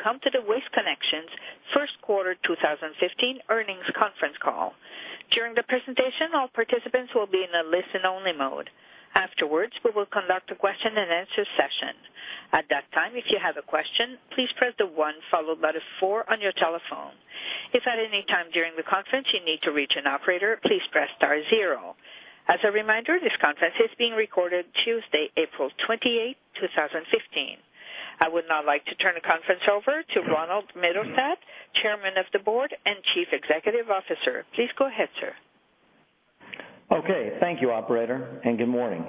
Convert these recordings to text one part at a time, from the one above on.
Welcome to the Waste Connections first quarter 2015 earnings conference call. During the presentation, all participants will be in a listen-only mode. Afterwards, we will conduct a question-and-answer session. At that time, if you have a question, please press the one followed by the four on your telephone. If at any time during the conference you need to reach an operator, please press star zero. As a reminder, this conference is being recorded Tuesday, April 28, 2015. I would now like to turn the conference over to Ronald Mittelstaedt, Chairman of the Board and Chief Executive Officer. Please go ahead, sir. Okay. Thank you, operator, and good morning.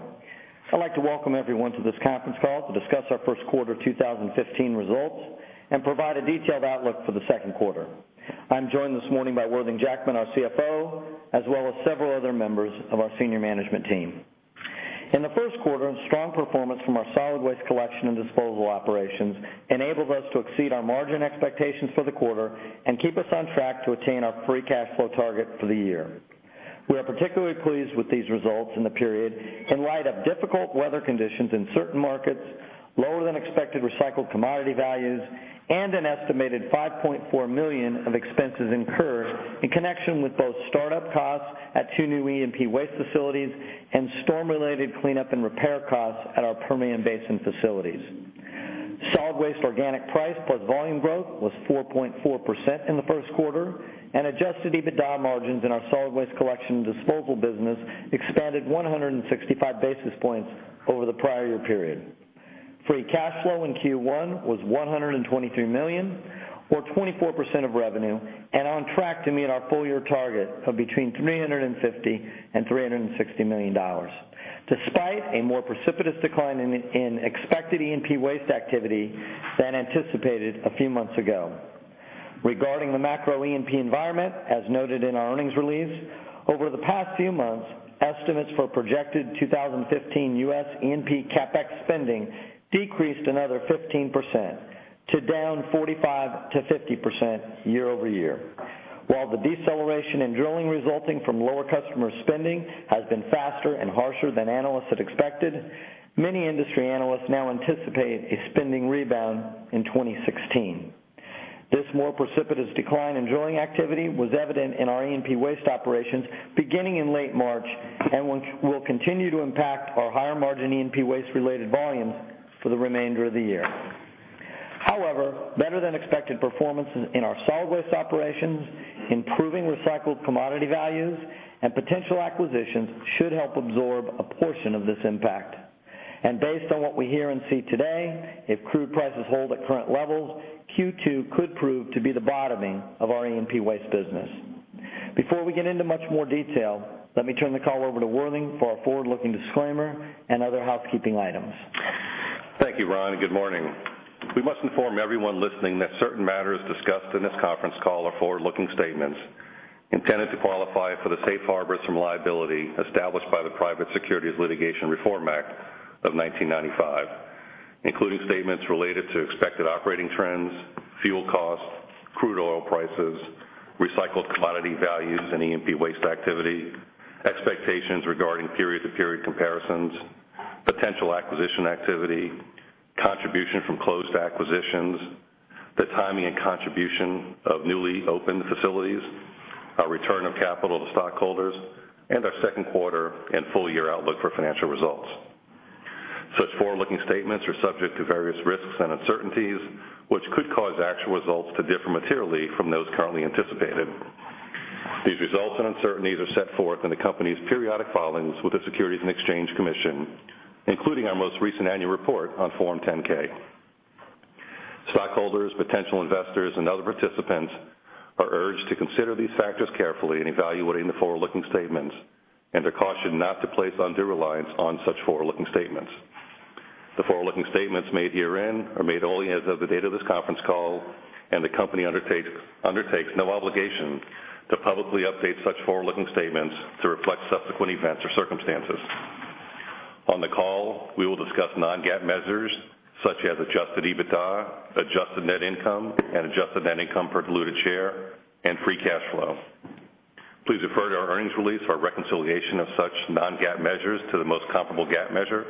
I'd like to welcome everyone to this conference call to discuss our first quarter 2015 results and provide a detailed outlook for the second quarter. I'm joined this morning by Worthing Jackman, our CFO, as well as several other members of our senior management team. In the first quarter, strong performance from our solid waste collection and disposal operations enabled us to exceed our margin expectations for the quarter and keep us on track to attain our free cash flow target for the year. We are particularly pleased with these results in the period in light of difficult weather conditions in certain markets, lower than expected recycled commodity values, and an estimated $5.4 million of expenses incurred in connection with both startup costs at two new E&P waste facilities and storm-related cleanup and repair costs at our Permian Basin facilities. Solid waste organic price plus volume growth was 4.4% in the first quarter, and adjusted EBITDA margins in our solid waste collection and disposal business expanded 165 basis points over the prior year period. Free cash flow in Q1 was $123 million, or 24% of revenue, and on track to meet our full-year target of between $350 million and $360 million, despite a more precipitous decline in expected E&P waste activity than anticipated a few months ago. Regarding the macro E&P environment, as noted in our earnings release, over the past few months, estimates for projected 2015 U.S. E&P CapEx spending decreased another 15%, to down 45%-50% year-over-year. While the deceleration in drilling resulting from lower customer spending has been faster and harsher than analysts had expected, many industry analysts now anticipate a spending rebound in 2016. This more precipitous decline in drilling activity was evident in our E&P waste operations beginning in late March and will continue to impact our higher margin E&P waste-related volumes for the remainder of the year. However, better-than-expected performance in our solid waste operations, improving recycled commodity values, and potential acquisitions should help absorb a portion of this impact. Based on what we hear and see today, if crude prices hold at current levels, Q2 could prove to be the bottoming of our E&P waste business. Before we get into much more detail, let me turn the call over to Worthing for our forward-looking disclaimer and other housekeeping items. Thank you, Ron. Good morning. We must inform everyone listening that certain matters discussed in this conference call are forward-looking statements intended to qualify for the safe harbors from liability established by the Private Securities Litigation Reform Act of 1995, including statements related to expected operating trends, fuel costs, crude oil prices, recycled commodity values and E&P waste activity, expectations regarding period-to-period comparisons, potential acquisition activity, contribution from closed acquisitions, the timing and contribution of newly opened facilities, our return of capital to stockholders, our second quarter and full year outlook for financial results. Such forward-looking statements are subject to various risks and uncertainties, which could cause actual results to differ materially from those currently anticipated. These results and uncertainties are set forth in the Company's periodic filings with the Securities and Exchange Commission, including our most recent annual report on Form 10-K. Stockholders, potential investors, other participants are urged to consider these factors carefully in evaluating the forward-looking statements and are cautioned not to place undue reliance on such forward-looking statements. The forward-looking statements made herein are made only as of the date of this conference call. The Company undertakes no obligation to publicly update such forward-looking statements to reflect subsequent events or circumstances. On the call, we will discuss non-GAAP measures such as adjusted EBITDA, adjusted net income, adjusted net income per diluted share, free cash flow. Please refer to our earnings release for a reconciliation of such non-GAAP measures to the most comparable GAAP measure.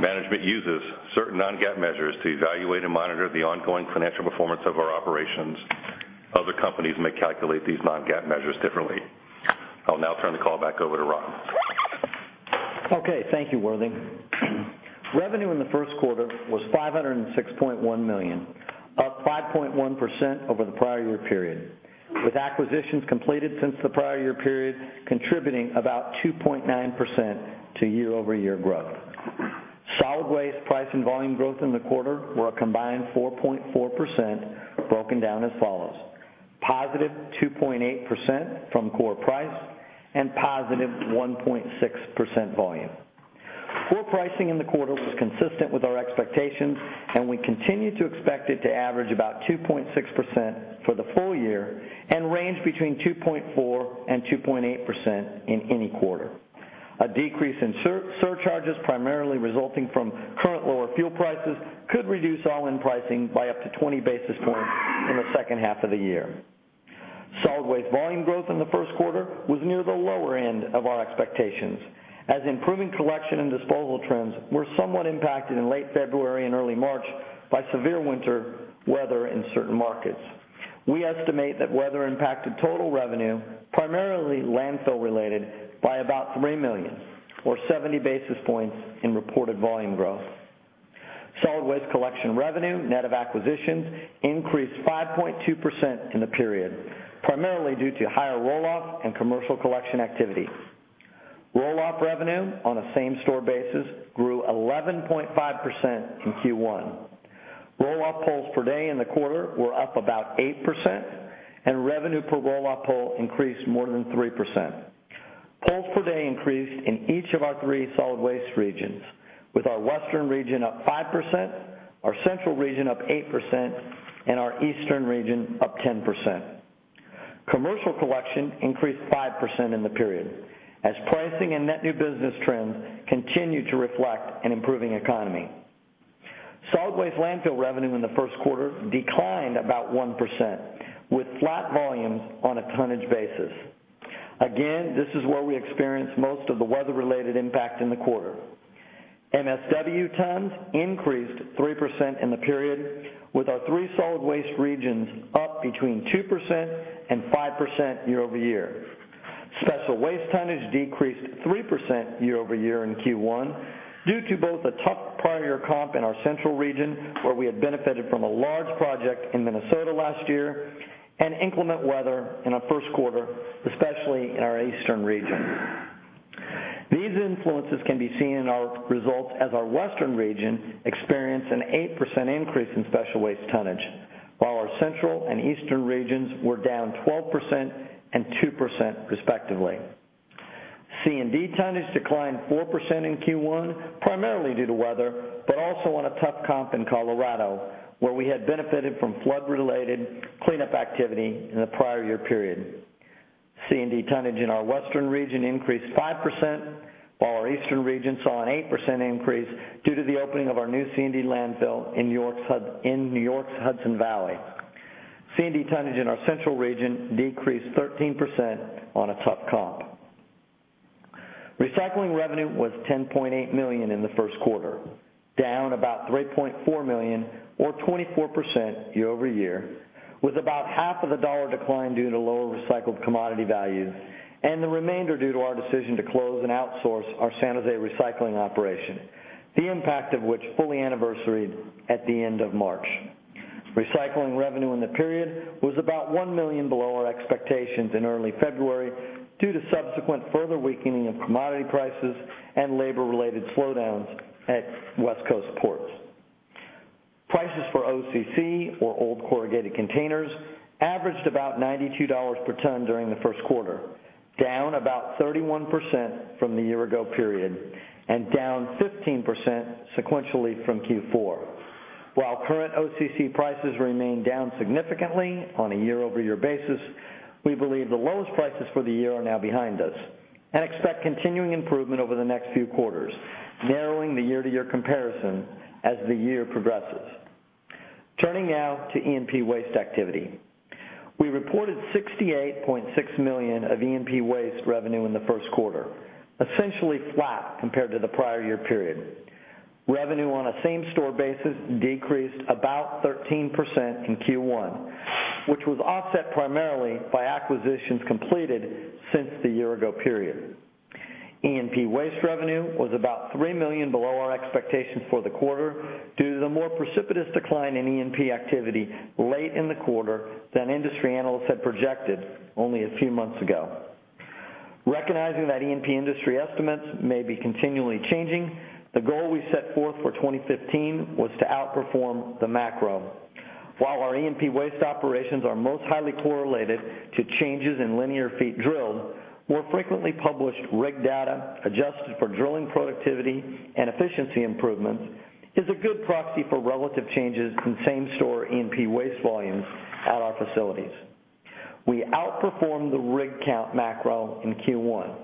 Management uses certain non-GAAP measures to evaluate and monitor the ongoing financial performance of our operations. Other companies may calculate these non-GAAP measures differently. I'll now turn the call back over to Ron. Thank you, Worthing. Revenue in the first quarter was $506.1 million, up 5.1% over the prior year period, with acquisitions completed since the prior year period contributing about 2.9% to year-over-year growth. Solid waste price and volume growth in the quarter were a combined 4.4%, broken down as follows: positive 2.8% from core price and positive 1.6% volume. Core pricing in the quarter was consistent with our expectations. We continue to expect it to average about 2.6% for the full year and range between 2.4% and 2.8% in any quarter. A decrease in surcharges, primarily resulting from current lower fuel prices, could reduce all-in pricing by up to 20 basis points in the second half of the year. Solid waste volume growth in the first quarter was near the lower end of our expectations, as improving collection and disposal trends were somewhat impacted in late February and early March by severe winter weather in certain markets. We estimate that weather impacted total revenue, primarily landfill-related, by about $3 million, or 70 basis points in reported volume growth. Solid waste collection revenue, net of acquisitions, increased 5.2% in the period, primarily due to higher roll-off and commercial collection activity. Roll-off revenue on a same-store basis grew 11.5% in Q1. Roll-off pulls per day in the quarter were up about 8%. Revenue per roll-off pull increased more than 3%. Pulls per day increased in each of our three solid waste regions, with our Western region up 5%, our Central region up 8%, our Eastern region up 10%. Commercial collection increased 5% in the period, as pricing and net new business trends continue to reflect an improving economy. Solid waste landfill revenue in the first quarter declined about 1%, with flat volumes on a tonnage basis. Again, this is where we experienced most of the weather-related impact in the quarter. MSW tons increased 3% in the period, with our three solid waste regions up between 2% and 5% year-over-year. Special waste tonnage decreased 3% year-over-year in Q1 due to both a tough prior year comp in our Central region, where we had benefited from a large project in Minnesota last year, and inclement weather in our first quarter, especially in our Eastern region. These influences can be seen in our results as our Western region experienced an 8% increase in special waste tonnage, while our Central and Eastern regions were down 12% and 2% respectively. C&D tonnage declined 4% in Q1, primarily due to weather, but also on a tough comp in Colorado, where we had benefited from flood-related cleanup activity in the prior year period. C&D tonnage in our Western region increased 5%, while our Eastern region saw an 8% increase due to the opening of our new C&D landfill in New York's Hudson Valley. C&D tonnage in our Central region decreased 13% on a tough comp. Recycling revenue was $10.8 million in the first quarter, down about $3.4 million or 24% year-over-year, with about half of the dollar decline due to lower recycled commodity values and the remainder due to our decision to close and outsource our San Jose recycling operation, the impact of which fully anniversaried at the end of March. Recycling revenue in the period was about $1 million below our expectations in early February due to subsequent further weakening of commodity prices and labor-related slowdowns at West Coast ports. Prices for OCC, or old corrugated containers, averaged about $92 per ton during the first quarter, down about 31% from the year ago period, and down 15% sequentially from Q4. While current OCC prices remain down significantly on a year-over-year basis, we believe the lowest prices for the year are now behind us and expect continuing improvement over the next few quarters, narrowing the year-to-year comparison as the year progresses. Turning now to E&P waste activity. We reported $68.6 million of E&P waste revenue in the first quarter, essentially flat compared to the prior year period. Revenue on a same-store basis decreased about 13% in Q1, which was offset primarily by acquisitions completed since the year ago period. E&P waste revenue was about $3 million below our expectations for the quarter due to the more precipitous decline in E&P activity late in the quarter than industry analysts had projected only a few months ago. Recognizing that E&P industry estimates may be continually changing, the goal we set forth for 2015 was to outperform the macro. While our E&P waste operations are most highly correlated to changes in linear feet drilled, more frequently published rig data, adjusted for drilling productivity and efficiency improvements, is a good proxy for relative changes in same-store E&P waste volumes at our facilities. We outperformed the rig count macro in Q1.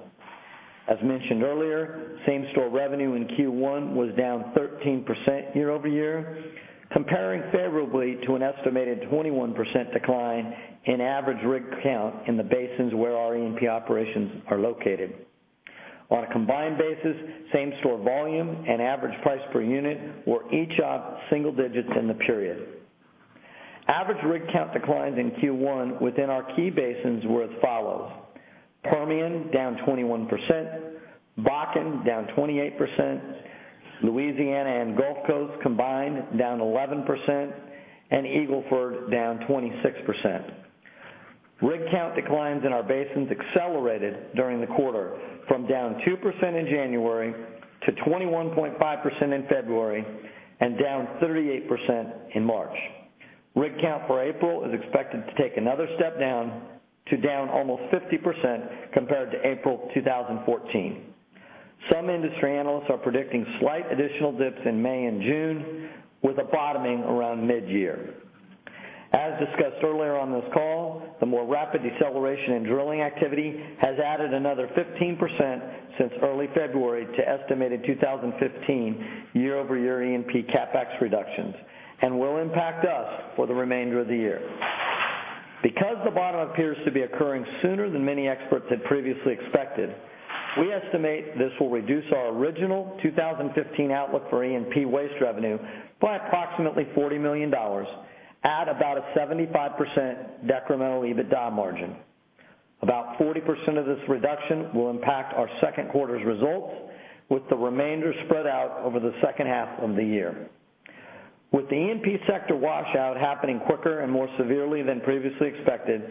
As mentioned earlier, same-store revenue in Q1 was down 13% year-over-year, comparing favorably to an estimated 21% decline in average rig count in the basins where our E&P operations are located. On a combined basis, same-store volume and average price per unit were each up single digits in the period. Average rig count declines in Q1 within our key basins were as follows: Permian down 21%, Bakken down 28%, Louisiana and Gulf Coast combined down 11%, and Eagle Ford down 26%. Rig count declines in our basins accelerated during the quarter, from down 2% in January to 21.5% in February, and down 38% in March. Rig count for April is expected to take another step down to down almost 50% compared to April 2014. Some industry analysts are predicting slight additional dips in May and June, with a bottoming around mid-year. As discussed earlier on this call, the more rapid deceleration in drilling activity has added another 15% since early February to estimated 2015 year-over-year E&P CapEx reductions and will impact us for the remainder of the year. Because the bottom appears to be occurring sooner than many experts had previously expected, we estimate this will reduce our original 2015 outlook for E&P waste revenue by approximately $40 million, at about a 75% decremental EBITDA margin. About 40% of this reduction will impact our second quarter's results, with the remainder spread out over the second half of the year. With the E&P sector washout happening quicker and more severely than previously expected,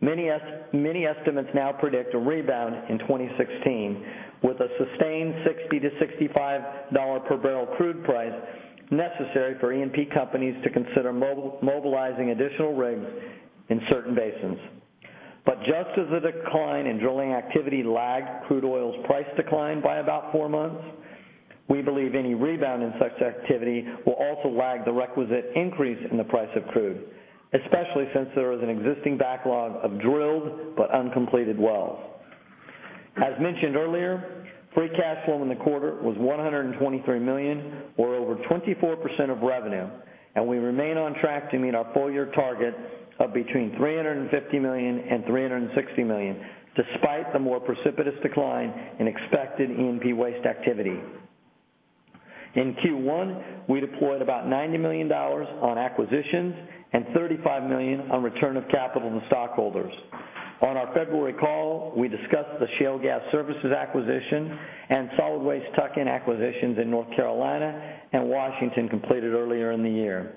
many estimates now predict a rebound in 2016, with a sustained $60-$65 per barrel crude price necessary for E&P companies to consider mobilizing additional rigs in certain basins. Just as the decline in drilling activity lagged crude oil's price decline by about four months, we believe any rebound in such activity will also lag the requisite increase in the price of crude, especially since there is an existing backlog of drilled but uncompleted wells. As mentioned earlier, free cash flow in the quarter was $123 million, or over 24% of revenue, and we remain on track to meet our full-year target of between $350 million and $360 million, despite the more precipitous decline in expected E&P waste activity. In Q1, we deployed about $90 million on acquisitions and $35 million on return of capital to stockholders. On our February call, we discussed the Shale Gas Services acquisition and solid waste tuck-in acquisitions in North Carolina and Washington completed earlier in the year.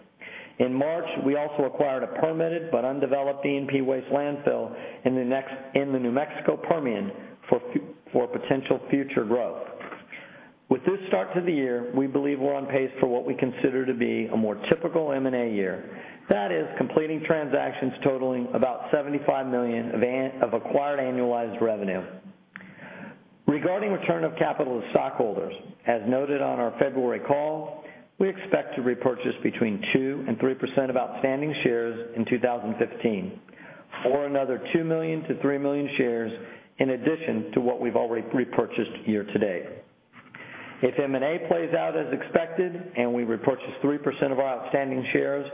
In March, we also acquired a permitted but undeveloped E&P waste landfill in the New Mexico Permian for potential future growth. With this start to the year, we believe we're on pace for what we consider to be a more typical M&A year. That is, completing transactions totaling about $75 million of acquired annualized revenue. Regarding return of capital to stockholders, as noted on our February call, we expect to repurchase between 2% and 3% of outstanding shares in 2015, or another two million to three million shares in addition to what we've already repurchased year-to-date. If M&A plays out as expected and we repurchase 3% of our outstanding shares,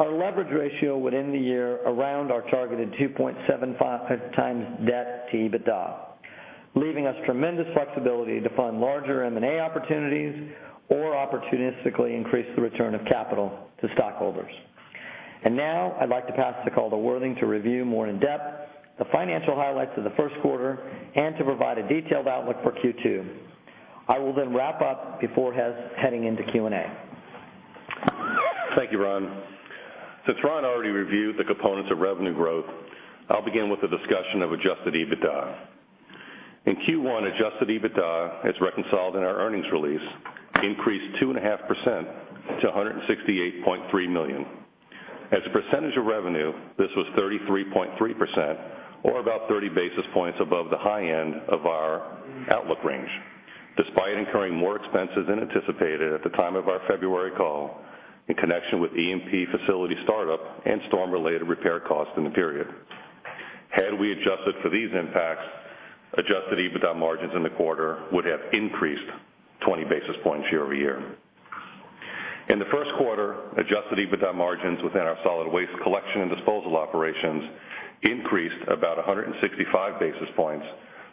our leverage ratio would end the year around our targeted 2.75 times debt-to-EBITDA, leaving us tremendous flexibility to fund larger M&A opportunities or opportunistically increase the return of capital to stockholders. I'd like to pass the call to Worthing to review more in depth the financial highlights of the first quarter and to provide a detailed outlook for Q2. I will then wrap up before heading into Q&A. Thank you, Ron. Since Ron already reviewed the components of revenue growth, I'll begin with a discussion of adjusted EBITDA. In Q1, adjusted EBITDA, as reconciled in our earnings release, increased 2.5% to $168.3 million. As a percentage of revenue, this was 33.3%, or about 30 basis points above the high end of our outlook range, despite incurring more expenses than anticipated at the time of our February call in connection with E&P facility startup and storm-related repair costs in the period. Had we adjusted for these impacts, adjusted EBITDA margins in the quarter would have increased 20 basis points year-over-year. In the first quarter, adjusted EBITDA margins within our solid waste collection and disposal operations increased about 165 basis points,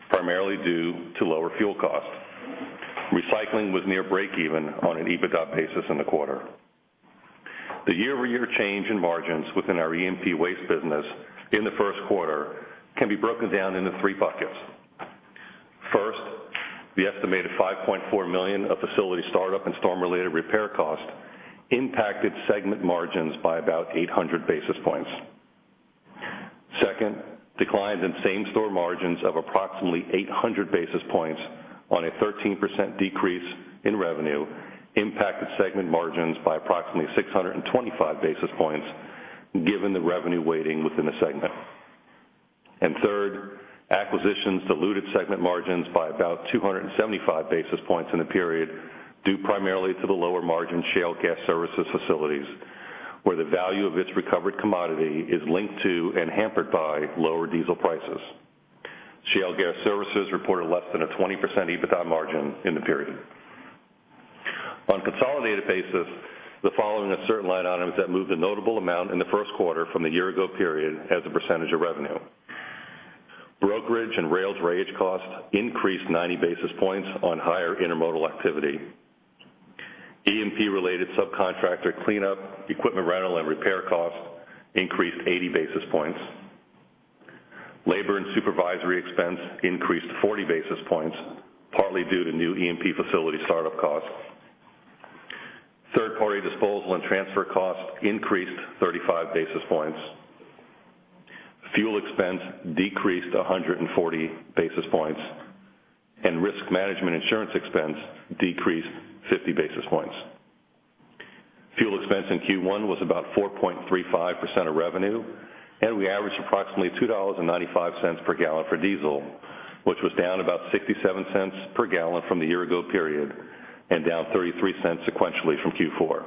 primarily due to lower fuel costs. Recycling was near breakeven on an EBITDA basis in the quarter. The year-over-year change in margins within our E&P waste business in the first quarter can be broken down into three buckets. First, the estimated $5.4 million of facility startup and storm-related repair costs impacted segment margins by about 800 basis points. Second, declines in same-store margins of approximately 800 basis points on a 13% decrease in revenue impacted segment margins by approximately 625 basis points, given the revenue weighting within the segment. Third, acquisitions diluted segment margins by about 275 basis points in the period, due primarily to the lower-margin Shale Gas Services facilities, where the value of its recovered commodity is linked to and hampered by lower diesel prices. Shale Gas Services reported less than a 20% EBITDA margin in the period. On a consolidated basis, the following are certain line items that moved a notable amount in the first quarter from the year-ago period as a percentage of revenue. Brokerage and rail drayage costs increased 90 basis points on higher intermodal activity. E&P-related subcontractor cleanup, equipment rental, and repair costs increased 80 basis points. Labor and supervisory expense increased 40 basis points, partly due to new E&P facility startup costs. Third-party disposal and transfer costs increased 35 basis points. Fuel expense decreased 140 basis points, and risk management insurance expense decreased 50 basis points. Fuel expense in Q1 was about 4.35% of revenue, and we averaged approximately $2.95 per gallon for diesel, which was down about $0.67 per gallon from the year-ago period and down $0.33 sequentially from Q4.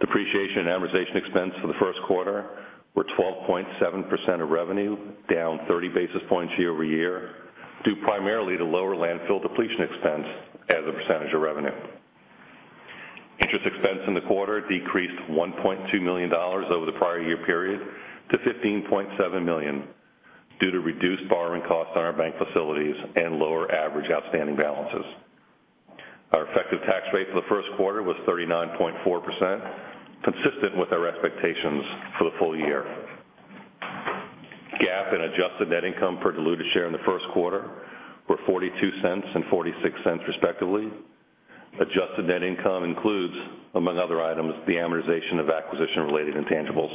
Depreciation and amortization expense for the first quarter were 12.7% of revenue, down 30 basis points year-over-year, due primarily to lower landfill depletion expense as a percentage of revenue. Interest expense in the quarter decreased $1.2 million over the prior year period to $15.7 million, due to reduced borrowing costs on our bank facilities and lower average outstanding balances. Our effective tax rate for the first quarter was 39.4%, consistent with our expectations for the full year. GAAP and adjusted net income per diluted share in the first quarter were $0.42 and $0.46 respectively. Adjusted net income includes, among other items, the amortization of acquisition-related intangibles.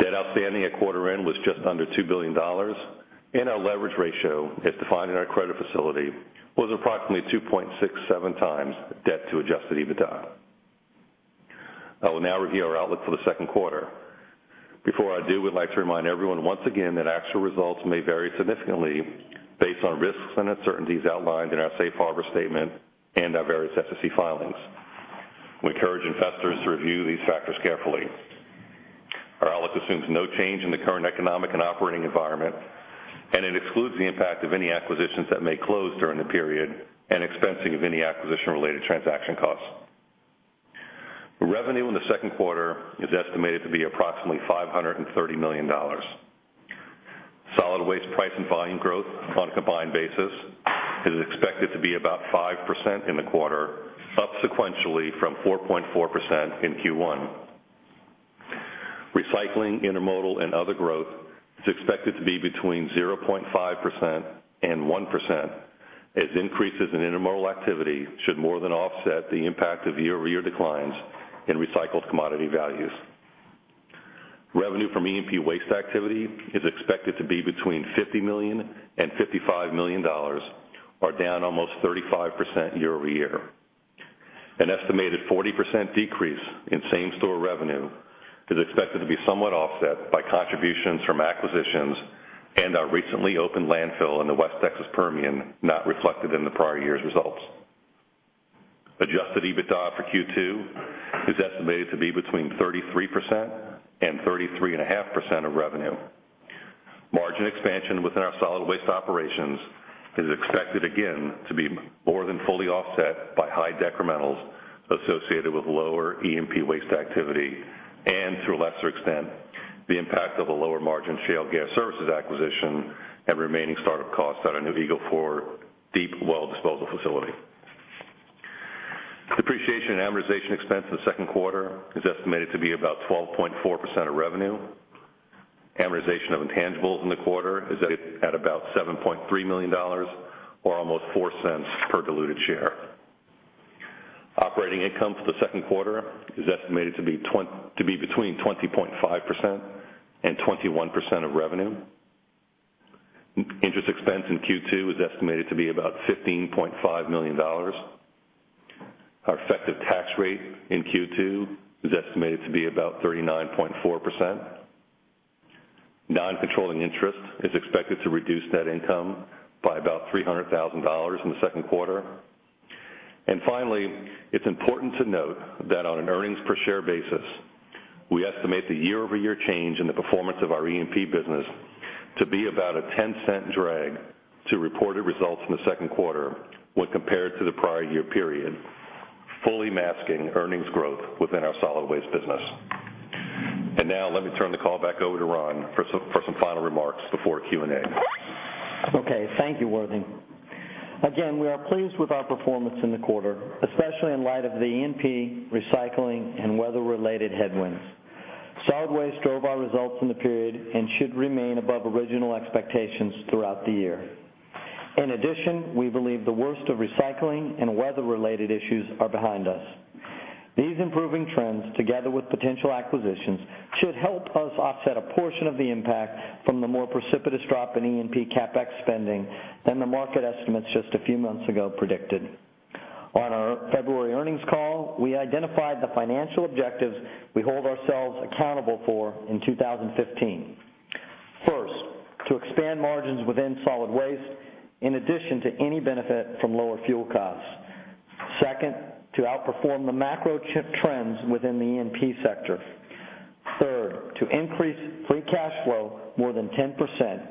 Debt outstanding at quarter end was just under $2 billion, and our leverage ratio, as defined in our credit facility, was approximately 2.67 times debt to adjusted EBITDA. I will now review our outlook for the second quarter. Before I do, we'd like to remind everyone once again that actual results may vary significantly based on risks and uncertainties outlined in our safe harbor statement and our various SEC filings. We encourage investors to review these factors carefully. Our outlook assumes no change in the current economic and operating environment. It excludes the impact of any acquisitions that may close during the period and expensing of any acquisition-related transaction costs. Revenue in the second quarter is estimated to be approximately $530 million. Solid waste price and volume growth on a combined basis is expected to be about 5% in the quarter, up sequentially from 4.4% in Q1. Recycling, intermodal, and other growth is expected to be between 0.5% and 1%, as increases in intermodal activity should more than offset the impact of year-over-year declines in recycled commodity values. Revenue from E&P waste activity is expected to be between $50 million and $55 million, or down almost 35% year-over-year. An estimated 40% decrease in same-store revenue is expected to be somewhat offset by contributions from acquisitions and our recently opened landfill in the West Texas Permian, not reflected in the prior year's results. Adjusted EBITDA for Q2 is estimated to be between 33% and 33.5% of revenue. Margin expansion within our solid waste operations is expected, again, to be more than fully offset by high decrementals associated with lower E&P waste activity, and, to a lesser extent, the impact of a lower margin Shale Gas Services acquisition and remaining start-up costs at our new Eagle Ford deep well disposal facility. Depreciation and amortization expense in the second quarter is estimated to be about 12.4% of revenue. Amortization of intangibles in the quarter is at about $7.3 million or almost $0.04 per diluted share. Operating income for the second quarter is estimated to be between 20.5% and 21% of revenue. Interest expense in Q2 is estimated to be about $15.5 million. Our effective tax rate in Q2 is estimated to be about 39.4%. Non-controlling interest is expected to reduce net income by about $300,000 in the second quarter. Finally, it's important to note that on an earnings-per-share basis, we estimate the year-over-year change in the performance of our E&P business to be about a $0.10 drag to reported results in the second quarter when compared to the prior year period, fully masking earnings growth within our solid waste business. Now let me turn the call back over to Ron for some final remarks before Q&A. Okay. Thank you, Worthing. Again, we are pleased with our performance in the quarter, especially in light of the E&P, recycling, and weather-related headwinds. Solid waste drove our results in the period and should remain above original expectations throughout the year. In addition, we believe the worst of recycling and weather-related issues are behind us. These improving trends, together with potential acquisitions, should help us offset a portion of the impact from the more precipitous drop in E&P CapEx spending than the market estimates just a few months ago predicted. On our February earnings call, we identified the financial objectives we hold ourselves accountable for in 2015. First, to expand margins within solid waste, in addition to any benefit from lower fuel costs. Second, to outperform the macro trends within the E&P sector. Third, to increase free cash flow more than 10%.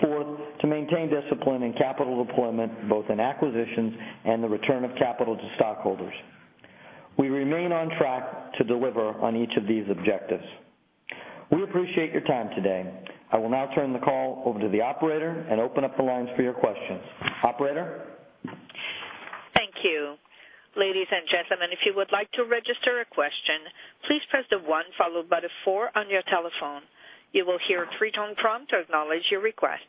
Fourth, to maintain discipline in capital deployment, both in acquisitions and the return of capital to stockholders. We remain on track to deliver on each of these objectives. We appreciate your time today. I will now turn the call over to the operator and open up the lines for your questions. Operator? Thank you. Ladies and gentlemen, if you would like to register a question, please press the one followed by the four on your telephone. You will hear a three-tone prompt to acknowledge your request.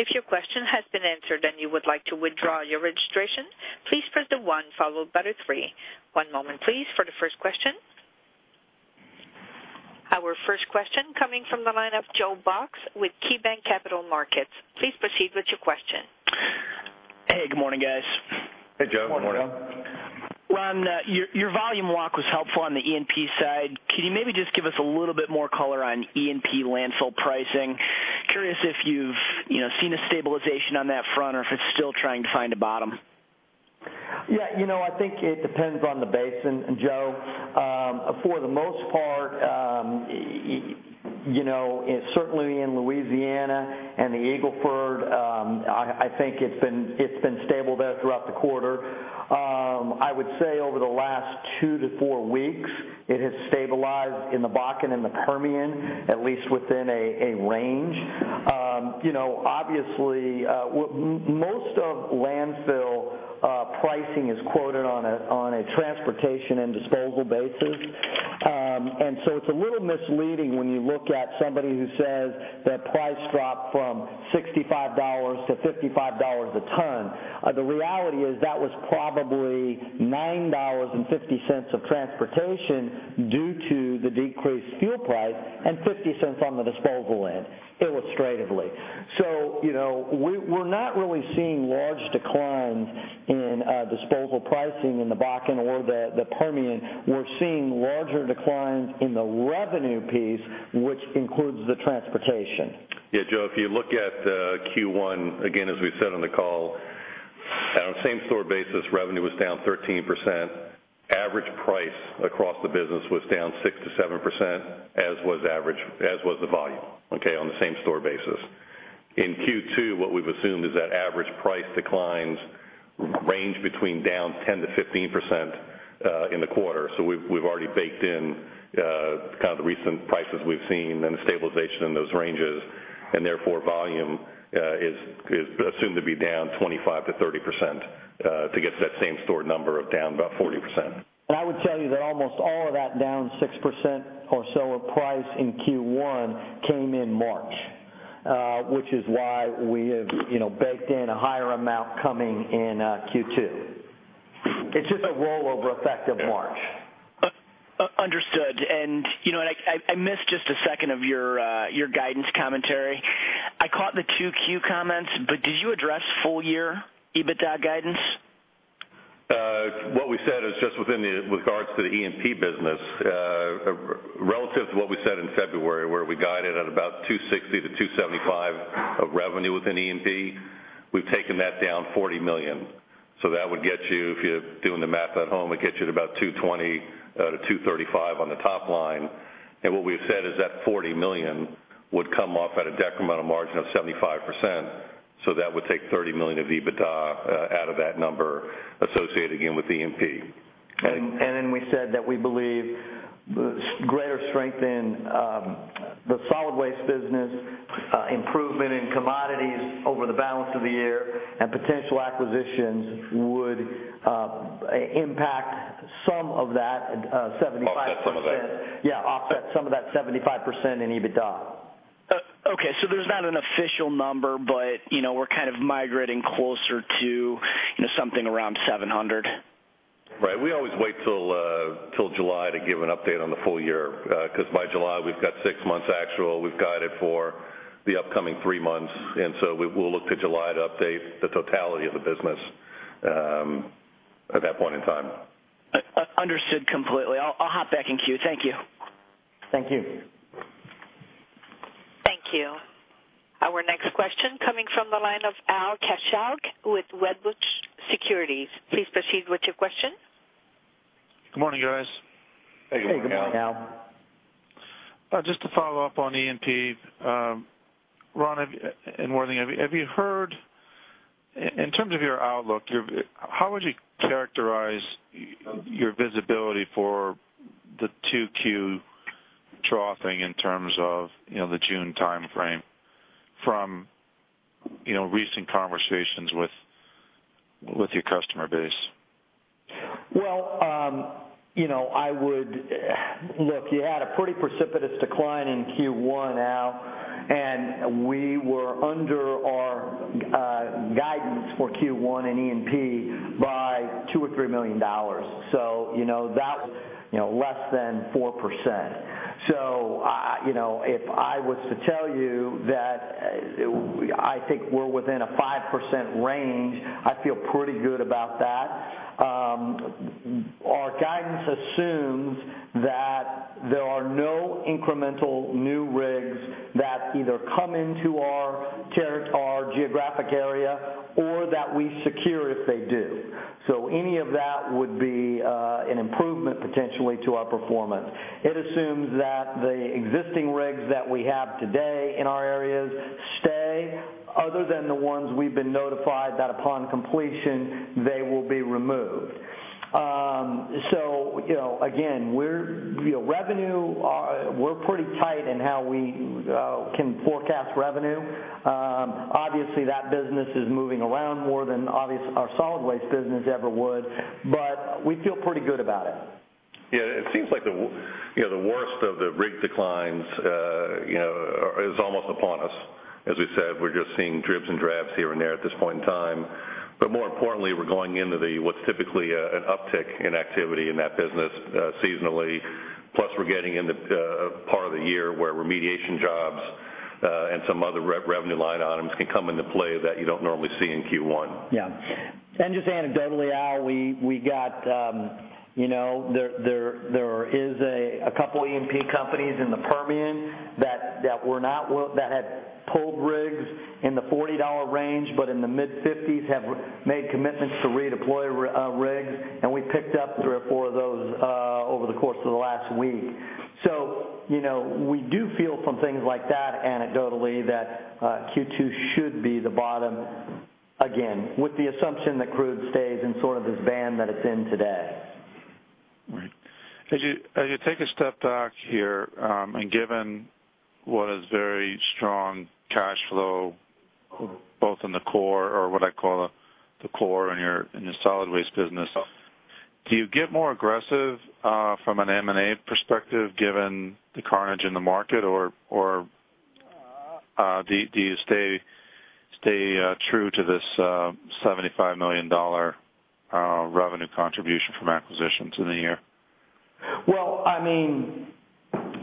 If your question has been answered, and you would like to withdraw your registration, please press the one followed by the three. One moment, please, for the first question. Our first question coming from the line of Joe Box with KeyBanc Capital Markets. Please proceed with your question. Hey, good morning, guys. Hey, Joe. Good morning. Morning, Joe. Ron, your volume walk was helpful on the E&P side. Can you maybe just give us a little bit more color on E&P landfill pricing? Curious if you've seen a stabilization on that front or if it's still trying to find a bottom. Yeah. I think it depends on the basin, Joe. For the most part, certainly in Louisiana and the Eagle Ford, I think it's been stable there throughout the quarter. I would say over the last two to four weeks, it has stabilized in the Bakken and the Permian, at least within a range. Obviously, most of landfill pricing is quoted on a transportation and disposal basis. It's a little misleading when you look at somebody who says that price dropped from $65-$55 a ton. The reality is that was probably $9.50 of transportation due to the decreased fuel price, and $0.50 on the disposal end, illustratively. We're not really seeing large declines in disposal pricing in the Bakken or the Permian. We're seeing larger declines in the revenue piece, which includes the transportation. Joe, if you look at Q1, again, as we said on the call, on a same-store basis, revenue was down 13%. Average price across the business was down 6%-7%, as was the volume, on the same-store basis. In Q2, what we've assumed is that average price declines range between down 10%-15% in the quarter. We've already baked in the recent prices we've seen and the stabilization in those ranges. Therefore volume is assumed to be down 25%-30% to get to that same store number of down about 40%. I would tell you that almost all of that down 6% or so of price in Q1 came in March, which is why we have baked in a higher amount coming in Q2. It's just a rollover effect of March. Understood. I missed just a second of your guidance commentary. I caught the two Q comments. Did you address full year EBITDA guidance? What we said is just with regards to the E&P business. Relative to what we said in February, where we guided at about $260 million-$275 million of revenue within E&P, we've taken that down $40 million. That would get you, if you're doing the math at home, it would get you to about $220 million-$235 million on the top line. What we've said is that $40 million would come off at a decremental margin of 75%. That would take $30 million of EBITDA out of that number associated again with E&P. We said that we believe greater strength in the solid waste business, improvement in commodities over the balance of the year, and potential acquisitions would impact some of that 75%. Offset some of that. Offset some of that 75% in EBITDA. There's not an official number, but we're migrating closer to something around $700. Right. We always wait till July to give an update on the full year, because by July, we've got six months actual, we've got it for the upcoming three months. We'll look to July to update the totality of the business at that point in time. Understood completely. I'll hop back in queue. Thank you. Thank you. Thank you. Our next question coming from the line of Al Kaschalk with Wedbush Securities. Please proceed with your question. Good morning, guys. Hey, good morning, Al. Hey, good morning, Al. Just to follow up on E&P. Ron and Worthing, have you heard, in terms of your outlook, how would you characterize your visibility for the 2Q troughing in terms of the June timeframe from recent conversations with your customer base? Well, look, you had a pretty precipitous decline in Q1, Al Kaschalk, we were under our guidance for Q1 and E&P by $2 million or $3 million. That was less than 4%. If I was to tell you that I think we're within a 5% range, I feel pretty good about that. Our guidance assumes that there are no incremental new rigs that either come into our geographic area or that we secure if they do. Any of that would be an improvement potentially to our performance. It assumes that the existing rigs that we have today in our areas stay other than the ones we've been notified that upon completion, they will be removed. Again, revenue, we're pretty tight in how we can forecast revenue. Obviously, that business is moving around more than our solid waste business ever would, we feel pretty good about it. Yeah. It seems like the worst of the rig declines is almost upon us. As we said, we're just seeing dribs and drabs here and there at this point in time. More importantly, we're going into what's typically an uptick in activity in that business seasonally. Plus, we're getting in the part of the year where remediation jobs and some other revenue line items can come into play that you don't normally see in Q1. Yeah. Just anecdotally, Al Kaschalk, there is a couple E&P companies in the Permian that had pulled rigs in the $40 range, in the mid-$50s have made commitments to redeploy rigs, we picked up three or four of those over the course of the last week. We do feel from things like that, anecdotally, that Q2 should be the bottom again, with the assumption that crude stays in this band that it's in today. Right. As you take a step back here, given what is very strong cash flow, both in the core, or what I call the core in your solid waste business, do you get more aggressive from an M&A perspective given the carnage in the market? Do you stay true to this $75 million revenue contribution from acquisitions in the year? Well,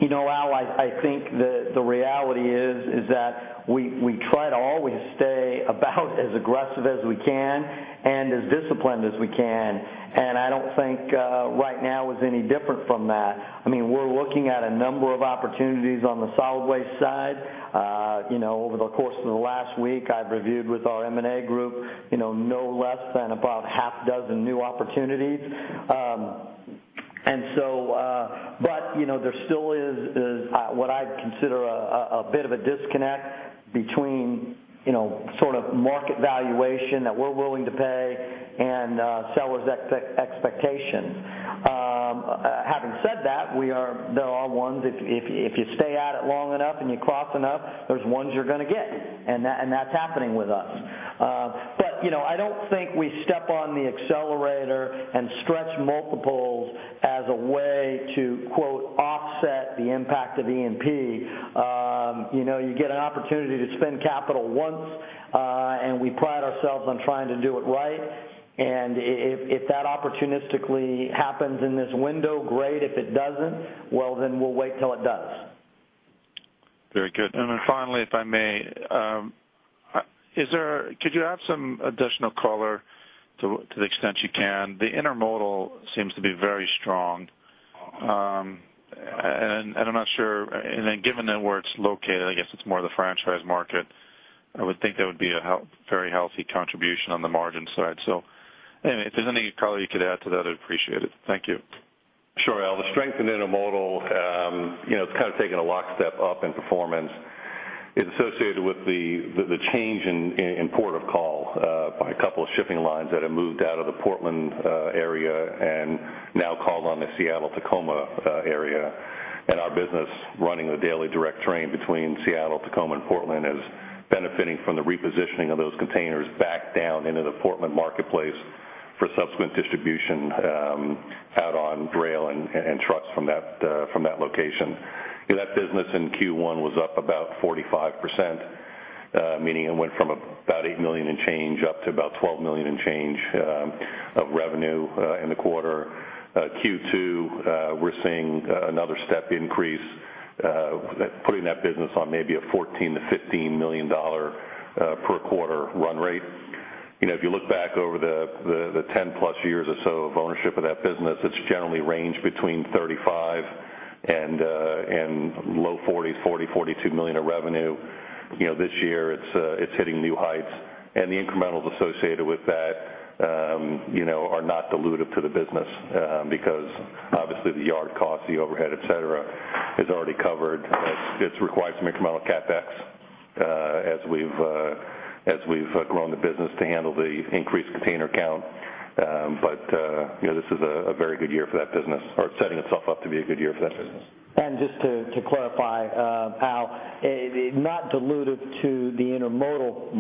Al, I think that the reality is that we try to always stay about as aggressive as we can and as disciplined as we can. I don't think right now is any different from that. We're looking at a number of opportunities on the solid waste side. Over the course of the last week, I've reviewed with our M&A group no less than about half dozen new opportunities. There still is what I'd consider a bit of a disconnect between market valuation that we're willing to pay and sellers' expectations. Having said that, there are ones, if you stay at it long enough and you cross enough, there's ones you're going to get, and that's happening with us. I don't think we step on the accelerator and stretch multiples as a way to, quote, "offset the impact of E&P." You get an opportunity to spend capital once, we pride ourselves on trying to do it right, if that opportunistically happens in this window, great. If it doesn't, well, we'll wait till it does. Very good. Finally, if I may, could you add some additional color to the extent you can? The intermodal seems to be very strong. Given where it's located, I guess it's more the franchise market. I would think that would be a very healthy contribution on the margin side. Anyway, if there's any color you could add to that, I'd appreciate it. Thank you. Sure, Al. The strength in intermodal has kind of taken a lockstep up in performance. It's associated with the change in port of call by a couple of shipping lines that have moved out of the Portland area and now call on the Seattle-Tacoma area. Our business running a daily direct train between Seattle, Tacoma, and Portland is benefiting from the repositioning of those containers back down into the Portland marketplace for subsequent distribution out on rail and trucks from that location. That business in Q1 was up about 45%, meaning it went from about $8 million in change up to about $12 million in change of revenue in the quarter. Q2, we're seeing another step increase, putting that business on maybe a $14 million-$15 million per quarter run rate. If you look back over the 10+ years or so of ownership of that business, it's generally ranged between $35 million and low $40 million, $40 million, $42 million of revenue. This year it's hitting new heights, and the incrementals associated with that are not dilutive to the business because obviously the yard cost, the overhead, et cetera, is already covered. It's required some incremental CapEx as we've grown the business to handle the increased container count. This is a very good year for that business, or it's setting itself up to be a good year for that business. Just to clarify, Al, not dilutive to the intermodal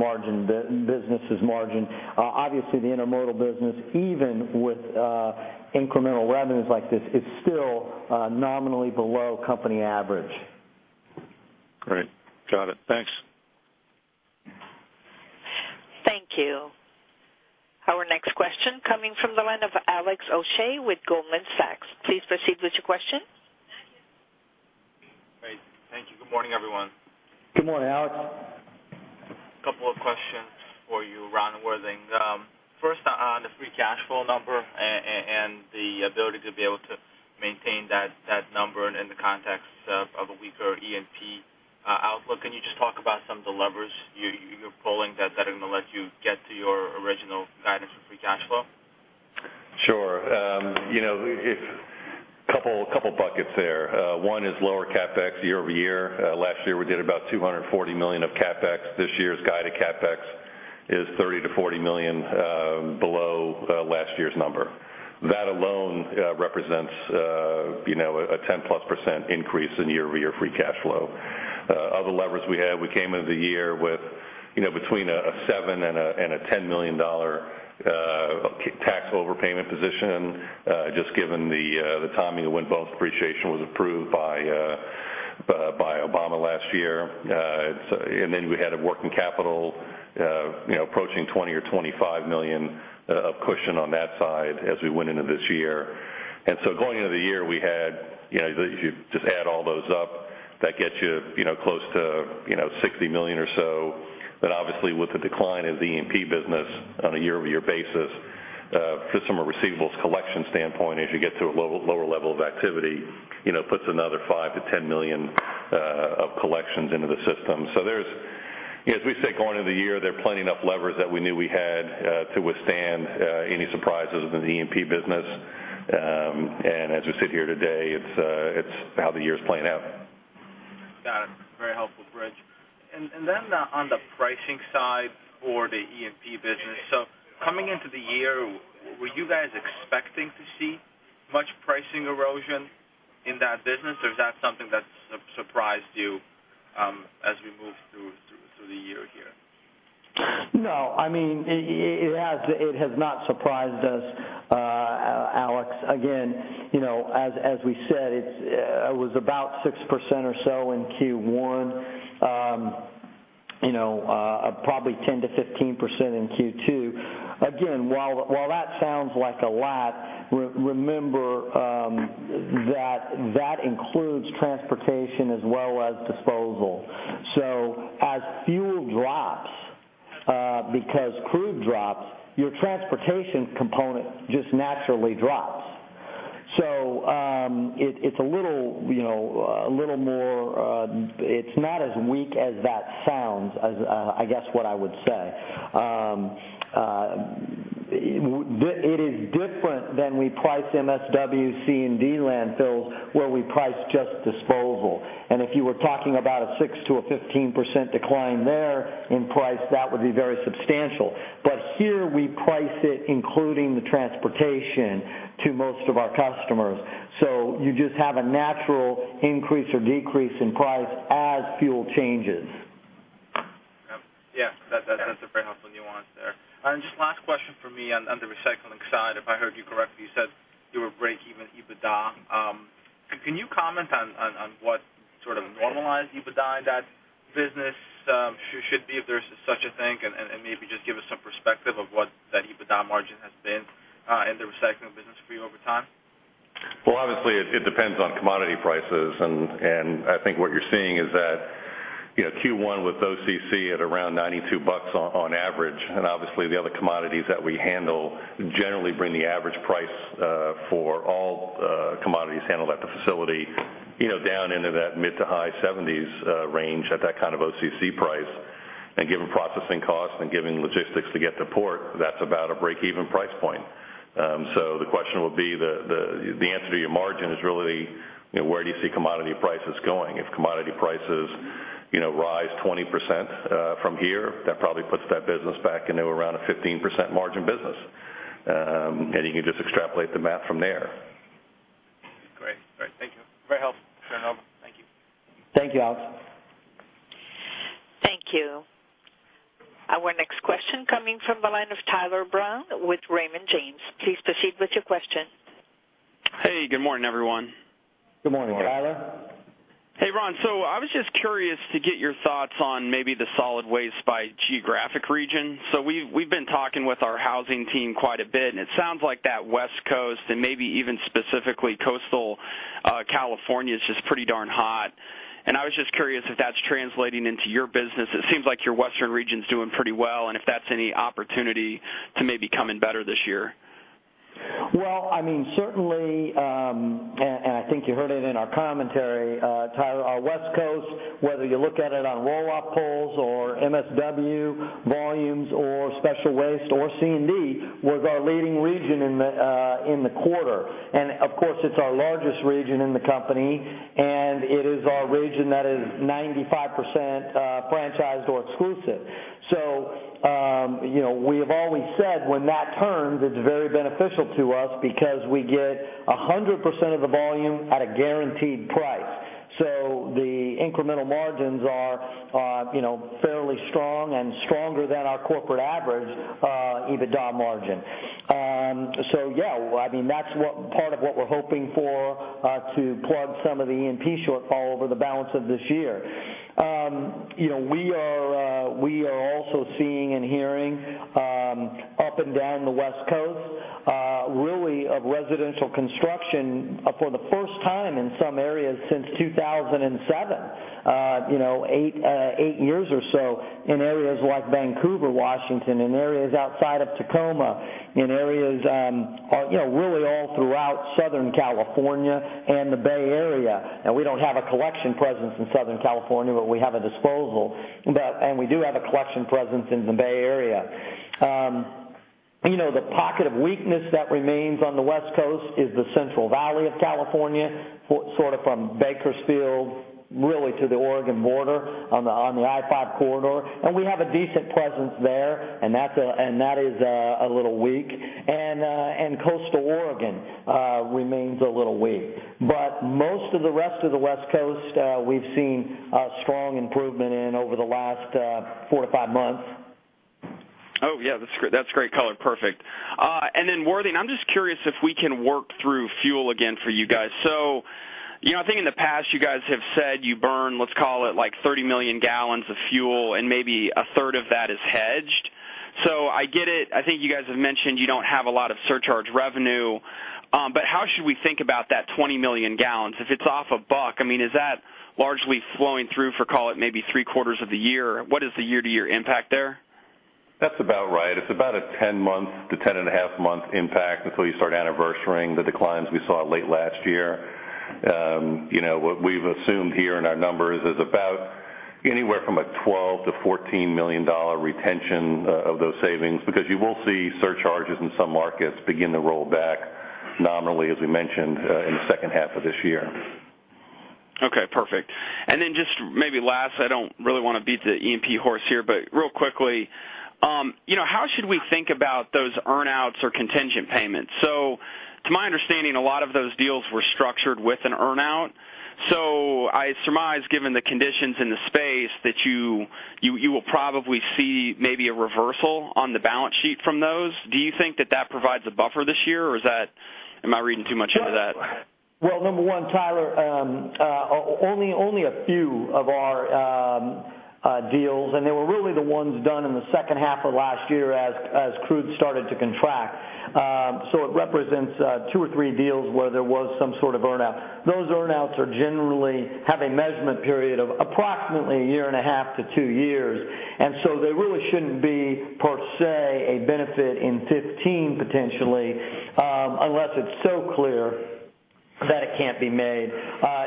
business' margin. Obviously, the intermodal business, even with incremental revenues like this, is still nominally below company average. Great. Got it. Thanks. Thank you. Our next question coming from the line of Alex Ojea with Goldman Sachs. Please proceed with your question. Great. Thank you. Good morning, everyone. Good morning, Alex. A couple of questions for you, Ron Worthing. First, on the free cash flow number and the ability to be able to maintain that number in the context of a weaker E&P outlook. Can you just talk about some of the levers you're pulling that are going to let you get to your original guidance for free cash flow? Sure. A couple of buckets there. One is lower CapEx year-over-year. Last year, we did about $240 million of CapEx. This year's guided CapEx is $30 million-$40 million below last year's number. That alone represents a 10%+ increase in year-over-year free cash flow. Other levers we had, we came into the year with between a $7 million and $10 million tax overpayment position, just given the timing of when wealth appreciation was approved by Obama last year. We had a working capital approaching $20 million or $25 million of cushion on that side as we went into this year. Going into the year, if you just add all those up, that gets you close to $60 million or so. Obviously, with the decline of the E&P business on a year-over-year basis, just from a receivables collection standpoint, as you get to a lower level of activity, it puts another $5 million-$10 million of collections into the system. As we said going into the year, there are plenty enough levers that we knew we had to withstand any surprises in the E&P business. As we sit here today, it's how the year's playing out. Got it. Very helpful, Worthing. On the pricing side for the E&P business. Coming into the year, were you guys expecting to see much pricing erosion in that business, or is that something that's surprised you as we move through the year here? No, it has not surprised us, Alex. Again, as we said, it was about 6% or so in Q1. Probably 10%-15% in Q2. Again, while that sounds like a lot, remember that includes transportation as well as disposal. As fuel drops because crude drops, your transportation component just naturally drops. It's not as weak as that sounds, is I guess what I would say. It is different than we price MSW C&D landfills, where we price just disposal, and if you were talking about a 6%-15% decline there in price, that would be very substantial. Here, we price it including the transportation to most of our customers. You just have a natural increase or decrease in price as fuel changes. Yeah. That's a very helpful nuance there. Just last question from me on the recycling side. If I heard you correctly, you said you were breakeven EBITDA. Can you comment on what sort of normalized EBITDA in that business should be, if there's such a thing, and maybe just give us some perspective of what that EBITDA margin has been in the recycling business for you over time? Well, obviously, it depends on commodity prices. I think what you're seeing is that Q1 with OCC at around $92 on average, and obviously the other commodities that we handle generally bring the average price for all commodities handled at the facility down into that mid to high 70s range at that kind of OCC price. Given processing costs and given logistics to get to port, that's about a breakeven price point. The question would be, the answer to your margin is really, where do you see commodity prices going? If commodity prices rise 20% from here, that probably puts that business back into around a 15% margin business. You can just extrapolate the math from there. Great. All right. Thank you. Very helpful. Thank you. Thank you, Alex. Thank you. Our next question coming from the line of Tyler Brown with Raymond James. Please proceed with your question. Hey, good morning, everyone. Good morning, Tyler. Hey, Ron. I was just curious to get your thoughts on maybe the solid waste by geographic region. We've been talking with our housing team quite a bit, and it sounds like that West Coast, and maybe even specifically coastal California, is just pretty darn hot, and I was just curious if that's translating into your business. It seems like your Western region's doing pretty well, and if that's any opportunity to maybe come in better this year. Certainly, I think you heard it in our commentary, Tyler, our West Coast, whether you look at it on roll-off pulls or MSW volumes or special waste or C&D, was our leading region in the quarter. Of course, it's our largest region in the company, and it is our region that is 95% franchised or exclusive. We have always said when that turns, it's very beneficial to us because we get 100% of the volume at a guaranteed price. The incremental margins are fairly strong and stronger than our corporate average EBITDA margin. Yeah, that's part of what we're hoping for to plug some of the E&P shortfall over the balance of this year. We are also seeing and hearing up and down the West Coast, really, of residential construction for the first time in some areas since 2007, 8 years or so, in areas like Vancouver, Washington, in areas outside of Tacoma. In areas really all throughout Southern California and the Bay Area. We don't have a collection presence in Southern California, but we have a disposal. We do have a collection presence in the Bay Area. The pocket of weakness that remains on the West Coast is the Central Valley of California, from Bakersfield really to the Oregon border on the I-5 corridor, and we have a decent presence there, that is a little weak. Coastal Oregon remains a little weak. Most of the rest of the West Coast, we've seen a strong improvement in over the last 4 to 5 months. Yeah. That's great color. Perfect. Worthing, I'm just curious if we can work through fuel again for you guys. I think in the past, you guys have said you burn, let's call it, 30 million gallons of fuel, and maybe a third of that is hedged. I get it. I think you guys have mentioned you don't have a lot of surcharge revenue. How should we think about that 20 million gallons? If it's off a buck, is that largely flowing through for, call it, maybe three quarters of the year? What is the year-to-year impact there? That's about 10 months to 10.5 month impact until you start anniversarying the declines we saw late last year. What we've assumed here in our numbers is about anywhere from a $12 million-$14 million retention of those savings, because you will see surcharges in some markets begin to roll back nominally, as we mentioned, in the second half of this year. Okay, perfect. Just maybe last, I don't really want to beat the E&P horse here, real quickly. How should we think about those earn-outs or contingent payments? To my understanding, a lot of those deals were structured with an earn-out. I surmise, given the conditions in the space, that you will probably see maybe a reversal on the balance sheet from those. Do you think that that provides a buffer this year, or am I reading too much into that? Well, number one, Tyler, only a few of our deals. They were really the ones done in the second half of last year as crude started to contract. It represents two or three deals where there was some sort of earn-out. Those earn-outs generally have a measurement period of approximately a year and a half to two years. There really shouldn't be, per se, a benefit in 2015, potentially, unless it's so clear that it can't be made.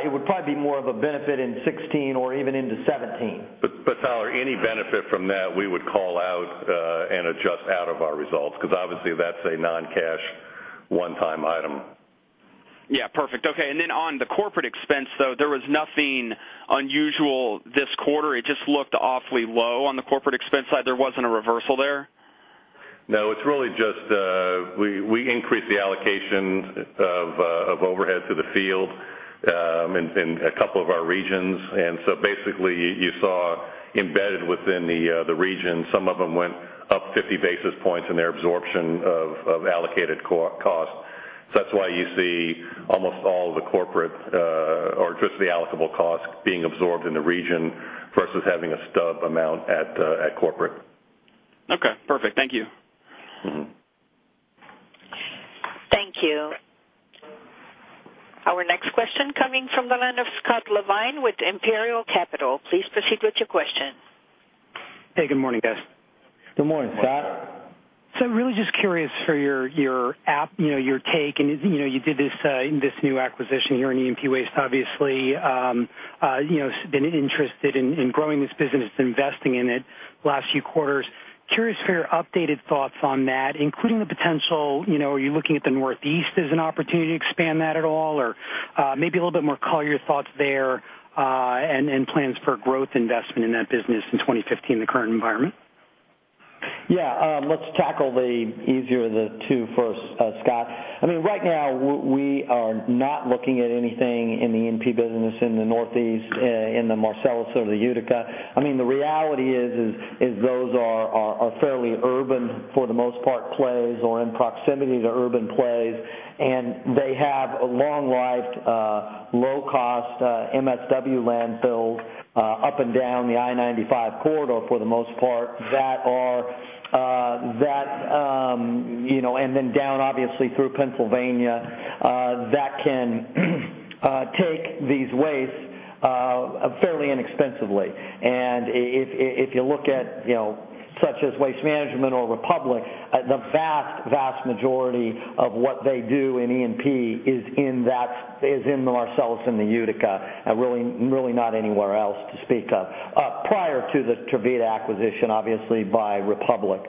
It would probably be more of a benefit in 2016 or even into 2017. Tyler, any benefit from that, we would call out and adjust out of our results, because obviously that's a non-cash, one-time item. Yeah. Perfect. Okay. On the corporate expense, though, there was nothing unusual this quarter. It just looked awfully low on the corporate expense side. There wasn't a reversal there? No, it's really just we increased the allocation of overhead to the field in a couple of our regions. Basically, you saw embedded within the region, some of them went up 50 basis points in their absorption of allocated cost. That's why you see almost all the corporate or just the allocable cost being absorbed in the region versus having a stub amount at corporate. Okay, perfect. Thank you. Thank you. Our next question coming from the line of Scott Levine with Imperial Capital. Please proceed with your question. Hey, good morning, guys. Good morning, Scott. Really just curious for your take, and you did this new acquisition here in E&P Waste, obviously, been interested in growing this business, investing in it last few quarters. Curious for your updated thoughts on that, including the potential, are you looking at the Northeast as an opportunity to expand that at all, or maybe a little bit more color, your thoughts there, and plans for growth investment in that business in 2015, the current environment? Let's tackle the easier of the two first, Scott. Right now, we are not looking at anything in the E&P business in the Northeast, in the Marcellus or the Utica. The reality is those are fairly urban, for the most part, plays or in proximity to urban plays, and they have long-lived, low-cost MSW landfills up and down the I-95 corridor for the most part, and then down, obviously, through Pennsylvania, that can take these wastes fairly inexpensively. If you look at such as Waste Management or Republic, the vast majority of what they do in E&P is in the Marcellus and the Utica, really not anywhere else to speak of, prior to the Tervita acquisition, obviously, by Republic.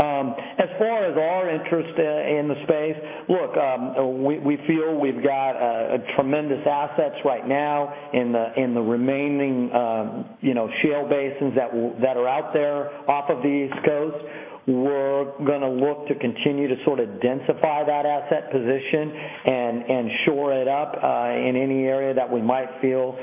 As far as our interest in the space. Look, we feel we've got tremendous assets right now in the remaining shale basins that are out there off of the East Coast. We're going to look to continue to densify that asset position and shore it up in any area that we might feel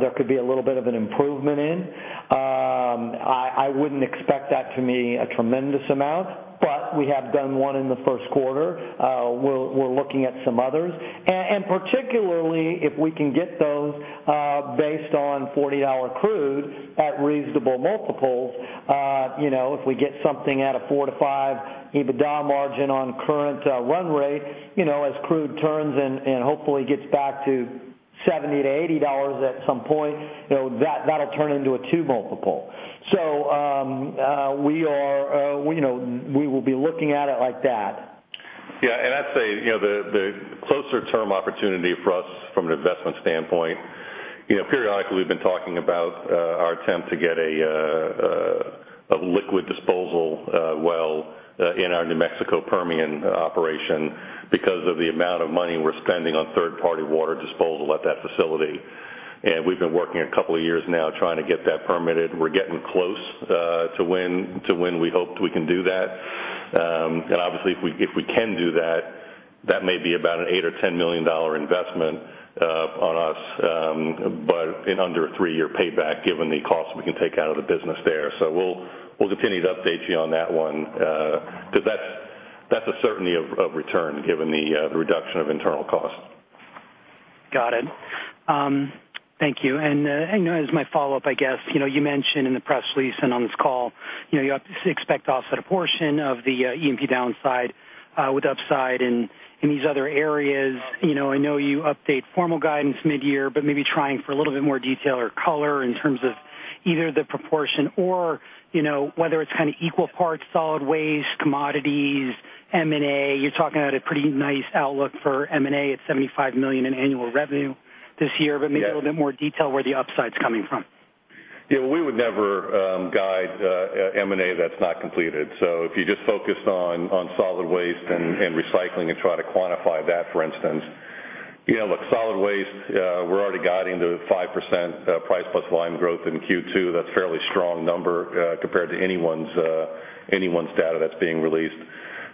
there could be a little bit of an improvement in. I wouldn't expect that to be a tremendous amount, but we have done one in the first quarter. We're looking at some others. Particularly, if we can get those based on $40 crude at reasonable multiples. If we get something at a four to five EBITDA margin on current run rate, as crude turns and hopefully gets back to $70-$80 at some point, that'll turn into a two multiple. We will be looking at it like that. Yeah. I'd say, the closer-term opportunity for us from an investment standpoint, periodically, we've been talking about our attempt to get a liquid disposal well in our New Mexico Permian operation because of the amount of money we're spending on third-party water disposal at that facility. We've been working a couple of years now trying to get that permitted. We're getting close to when we hoped we can do that. Obviously, if we can do that may be about an $8 or $10 million investment on us, but in under a three-year payback, given the cost we can take out of the business there. We'll continue to update you on that one. Because that's a certainty of return given the reduction of internal cost. Got it. Thank you. As my follow-up, I guess, you mentioned in the press release and on this call, you expect to offset a portion of the E&P downside with upside in these other areas. I know you update formal guidance mid-year, but maybe trying for a little bit more detail or color in terms of either the proportion or whether it's kind of equal parts, solid waste, commodities, M&A. You're talking about a pretty nice outlook for M&A at $75 million in annual revenue this year. Yes. Maybe a little bit more detail where the upside's coming from. Yeah. We would never guide M&A that's not completed. If you just focused on solid waste and recycling and try to quantify that, for instance. Look, solid waste, we're already guiding to 5% price plus volume growth in Q2. That's a fairly strong number compared to anyone's data that's being released.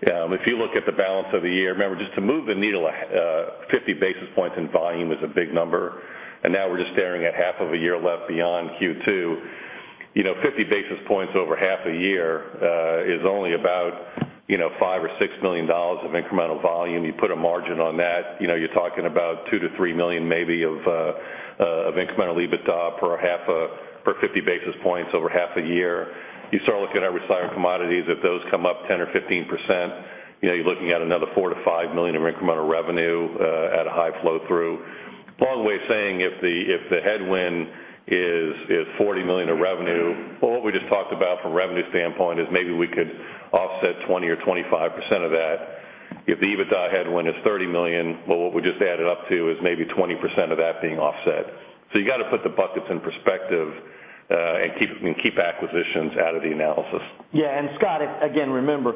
If you look at the balance of the year, remember, just to move the needle 50 basis points in volume is a big number, and now we're just staring at half of a year left beyond Q2. 50 basis points over half a year is only about $5 or $6 million of incremental volume. You put a margin on that, you're talking about $2 to $3 million maybe of incremental EBITDA per 50 basis points over half a year. You start looking at recycled commodities. If those come up 10% or 15%, you're looking at another $4 to $5 million of incremental revenue at a high flow through. Long way of saying, if the headwind is $40 million of revenue, well, what we just talked about from a revenue standpoint is maybe we could offset 20% or 25% of that. If the EBITDA headwind is $30 million, well, what we just added up to is maybe 20% of that being offset. You got to put the buckets in perspective, and keep acquisitions out of the analysis. Yeah. Scott, again, remember,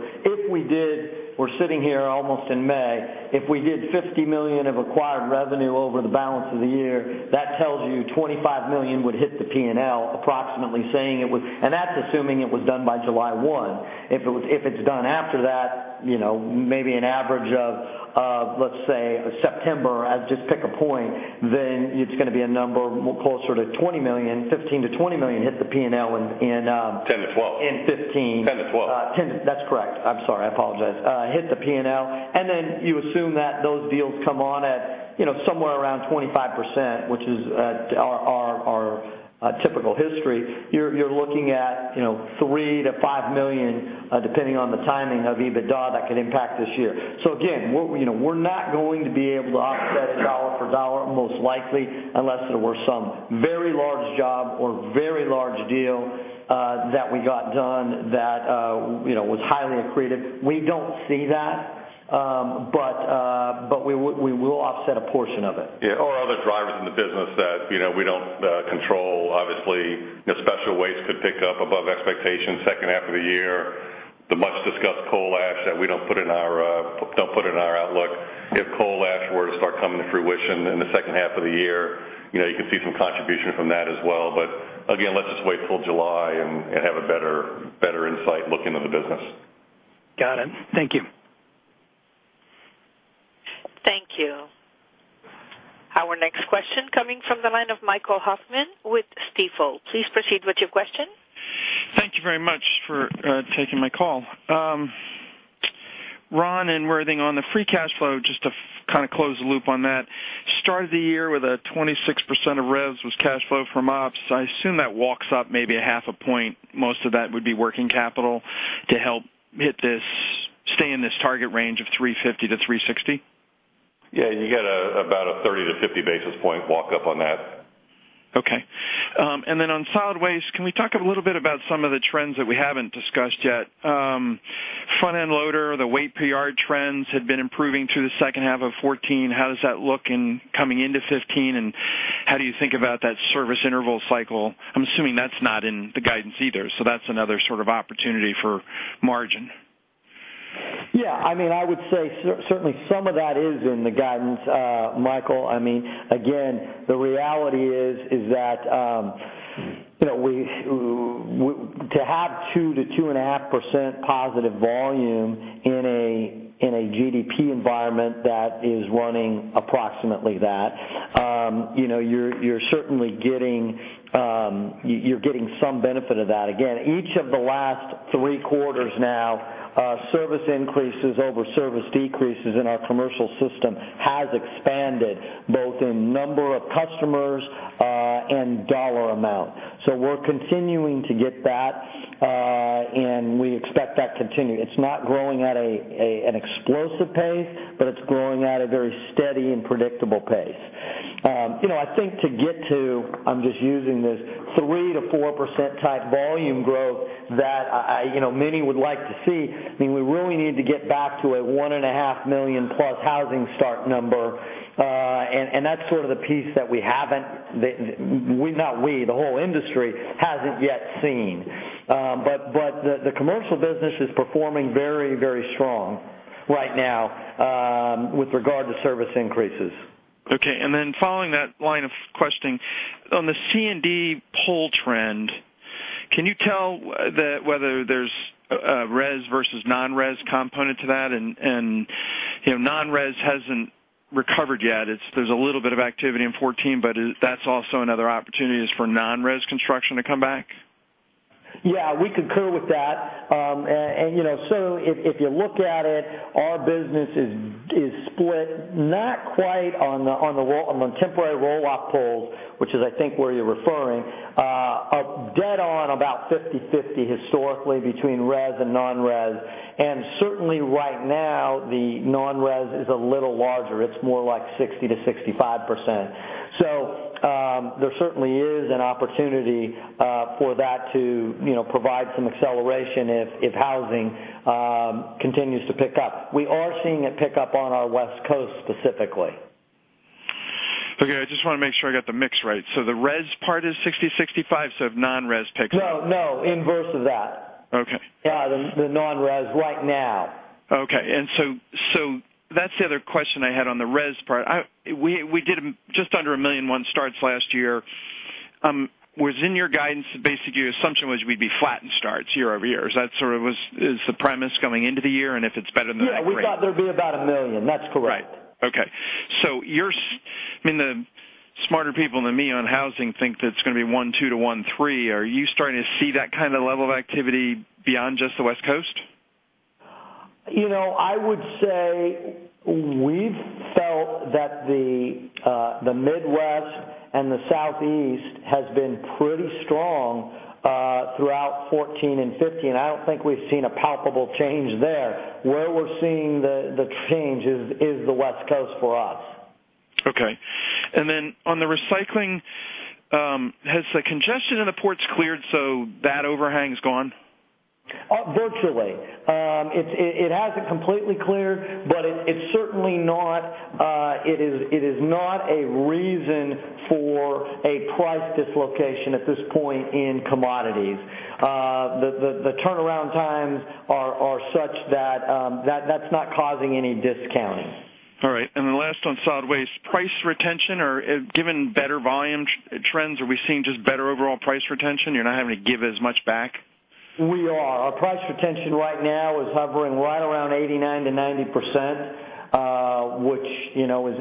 we're sitting here almost in May, if we did $50 million of acquired revenue over the balance of the year, that tells you $25 million would hit the P&L approximately. That's assuming it was done by July 1. If it's done after that, maybe an average of, let's say, September, just pick a point, it's going to be a number closer to $15 to $20 million hits the P&L. $10 to $12. In 2015. $10-$12. That's correct. I'm sorry. I apologize. Hit the P&L. Then you assume that those deals come on at somewhere around 25%, which is our typical history. You're looking at $3 million-$5 million, depending on the timing of EBITDA that could impact this year. Again, we're not going to be able to offset dollar for dollar most likely, unless there were some very large job or very large deal that we got done that was highly accretive. We don't see that, but we will offset a portion of it. Yeah. Other drivers in the business that we don't control. Obviously, special waste could pick up above expectations second half of the year. The much-discussed coal ash that we don't put in our outlook. If coal ash were to start coming to fruition in the second half of the year, you could see some contribution from that as well. Again, let's just wait till July and have a better insight looking at the business. Got it. Thank you. Thank you. Our next question coming from the line of Michael Hoffman with Stifel. Please proceed with your question. Thank you very much for taking my call. Ron and Worthing, on the free cash flow, just to kind of close the loop on that. Start of the year with a 26% of revs was cash flow from ops. I assume that walks up maybe a half a point. Most of that would be working capital to help stay in this target range of $350-$360? Yeah. You get about a 30-50 basis point walk up on that. Okay. Then on solid waste, can we talk a little bit about some of the trends that we haven't discussed yet? Front-end loader, the weight per yard trends had been improving through the second half of 2014. How does that look in coming into 2015, and how do you think about that service interval cycle? I'm assuming that's not in the guidance either, so that's another sort of opportunity for margin. Yeah. I would say certainly some of that is in the guidance, Michael. The reality is that to have 2%-2.5% positive volume in a GDP environment that is running approximately that, you're getting some benefit of that. Again, each of the last three quarters now, service increases over service decreases in our commercial system has expanded both in number of customers and $ amount. We're continuing to get that, and we expect that to continue. It's not growing at an explosive pace, but it's growing at a very steady and predictable pace. I think to get to, I'm just using this, 3%-4%-type volume growth that many would like to see, we really need to get back to a 1.5 million plus housing start number. That's sort of the piece that we haven't, not we, the whole industry, hasn't yet seen. The commercial business is performing very strong right now with regard to service increases. Okay. Following that line of questioning. On the C&D pull trend, can you tell whether there's a res versus non-res component to that? Non-res hasn't recovered yet. There's a little bit of activity in 2014, but that's also another opportunity, is for non-res construction to come back? Yeah, we concur with that. If you look at it, our business is split not quite on the temporary roll-off pulls, which is I think where you're referring, are dead on about 50/50 historically between res and non-res. Certainly right now, the non-res is a little larger. It's more like 60%-65%. There certainly is an opportunity for that to provide some acceleration if housing continues to pick up. We are seeing it pick up on our West Coast specifically. Okay. I just want to make sure I got the mix right. The res part is 60/65, so if non-res picks up- No, inverse of that. Okay. Yeah, the non-res right now. Okay. That's the other question I had on the res part. We did just under 1.1 million starts last year. That was in your guidance, basically your assumption was we'd be flattened starts year-over-year. Is the premise going into the year, and if it's better than that, great. Yeah, we thought there'd be about 1 million. That's correct. Right. Okay. I mean, the smarter people than me on housing think that it's going to be 1.2 to 1.3. Are you starting to see that kind of level of activity beyond just the West Coast? I would say we've felt that the Midwest and the Southeast has been pretty strong throughout 2014 and 2015. I don't think we've seen a palpable change there. Where we're seeing the change is the West Coast for us. Okay. On the recycling, has the congestion in the ports cleared so that overhang's gone? Virtually. It hasn't completely cleared, it is not a reason for a price dislocation at this point in commodities. The turnaround times are such that's not causing any discounting. All right. Last on solid waste price retention, given better volume trends, are we seeing just better overall price retention? You're not having to give as much back? We are. Our price retention right now is hovering right around 89%-90%, which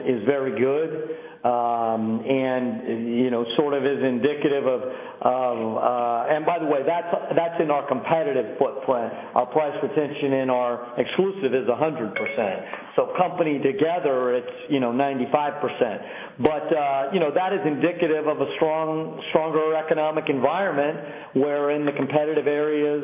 is very good. By the way, that's in our competitive footprint. Our price retention in our exclusive is 100%. Company together, it's 95%. That is indicative of a stronger economic environment where in the competitive areas,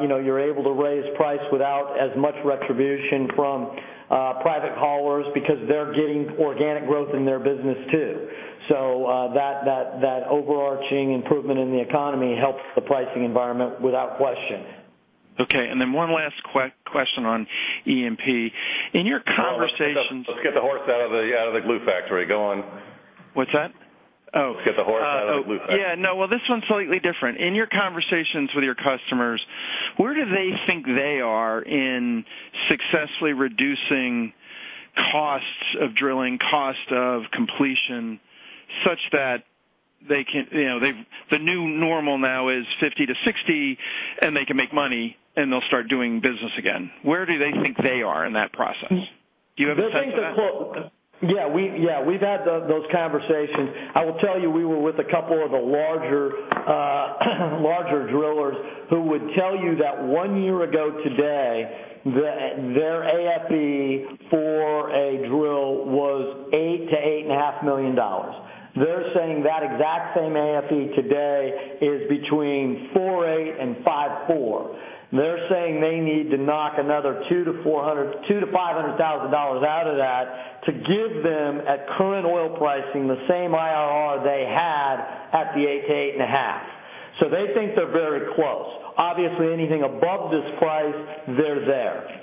you're able to raise price without as much retribution from private haulers because they're getting organic growth in their business, too. That overarching improvement in the economy helps the pricing environment without question. Okay, one last question on E&P. In your conversations- Let's get the horse out of the glue factory. Go on. What's that? Oh. Let's get the horse out of the glue factory. Yeah, no. Well, this one's slightly different. In your conversations with your customers, where do they think they are in successfully reducing costs of drilling, cost of completion, such that the new normal now is $50-$60, and they can make money, and they'll start doing business again. Where do they think they are in that process? Do you have a sense of that? Yeah, we've had those conversations. I will tell you, we were with a couple of the larger drillers who would tell you that one year ago today, their AFE for a drill was $8 million-$8.5 million. They're saying that exact same AFE today is between $4.8 million and $5.4 million. They're saying they need to knock another $200,000-$500,000 out of that to give them, at current oil pricing, the same IRR they had at the $8 million-$8.5 million. They think they're very close. Obviously, anything above this price, they're there.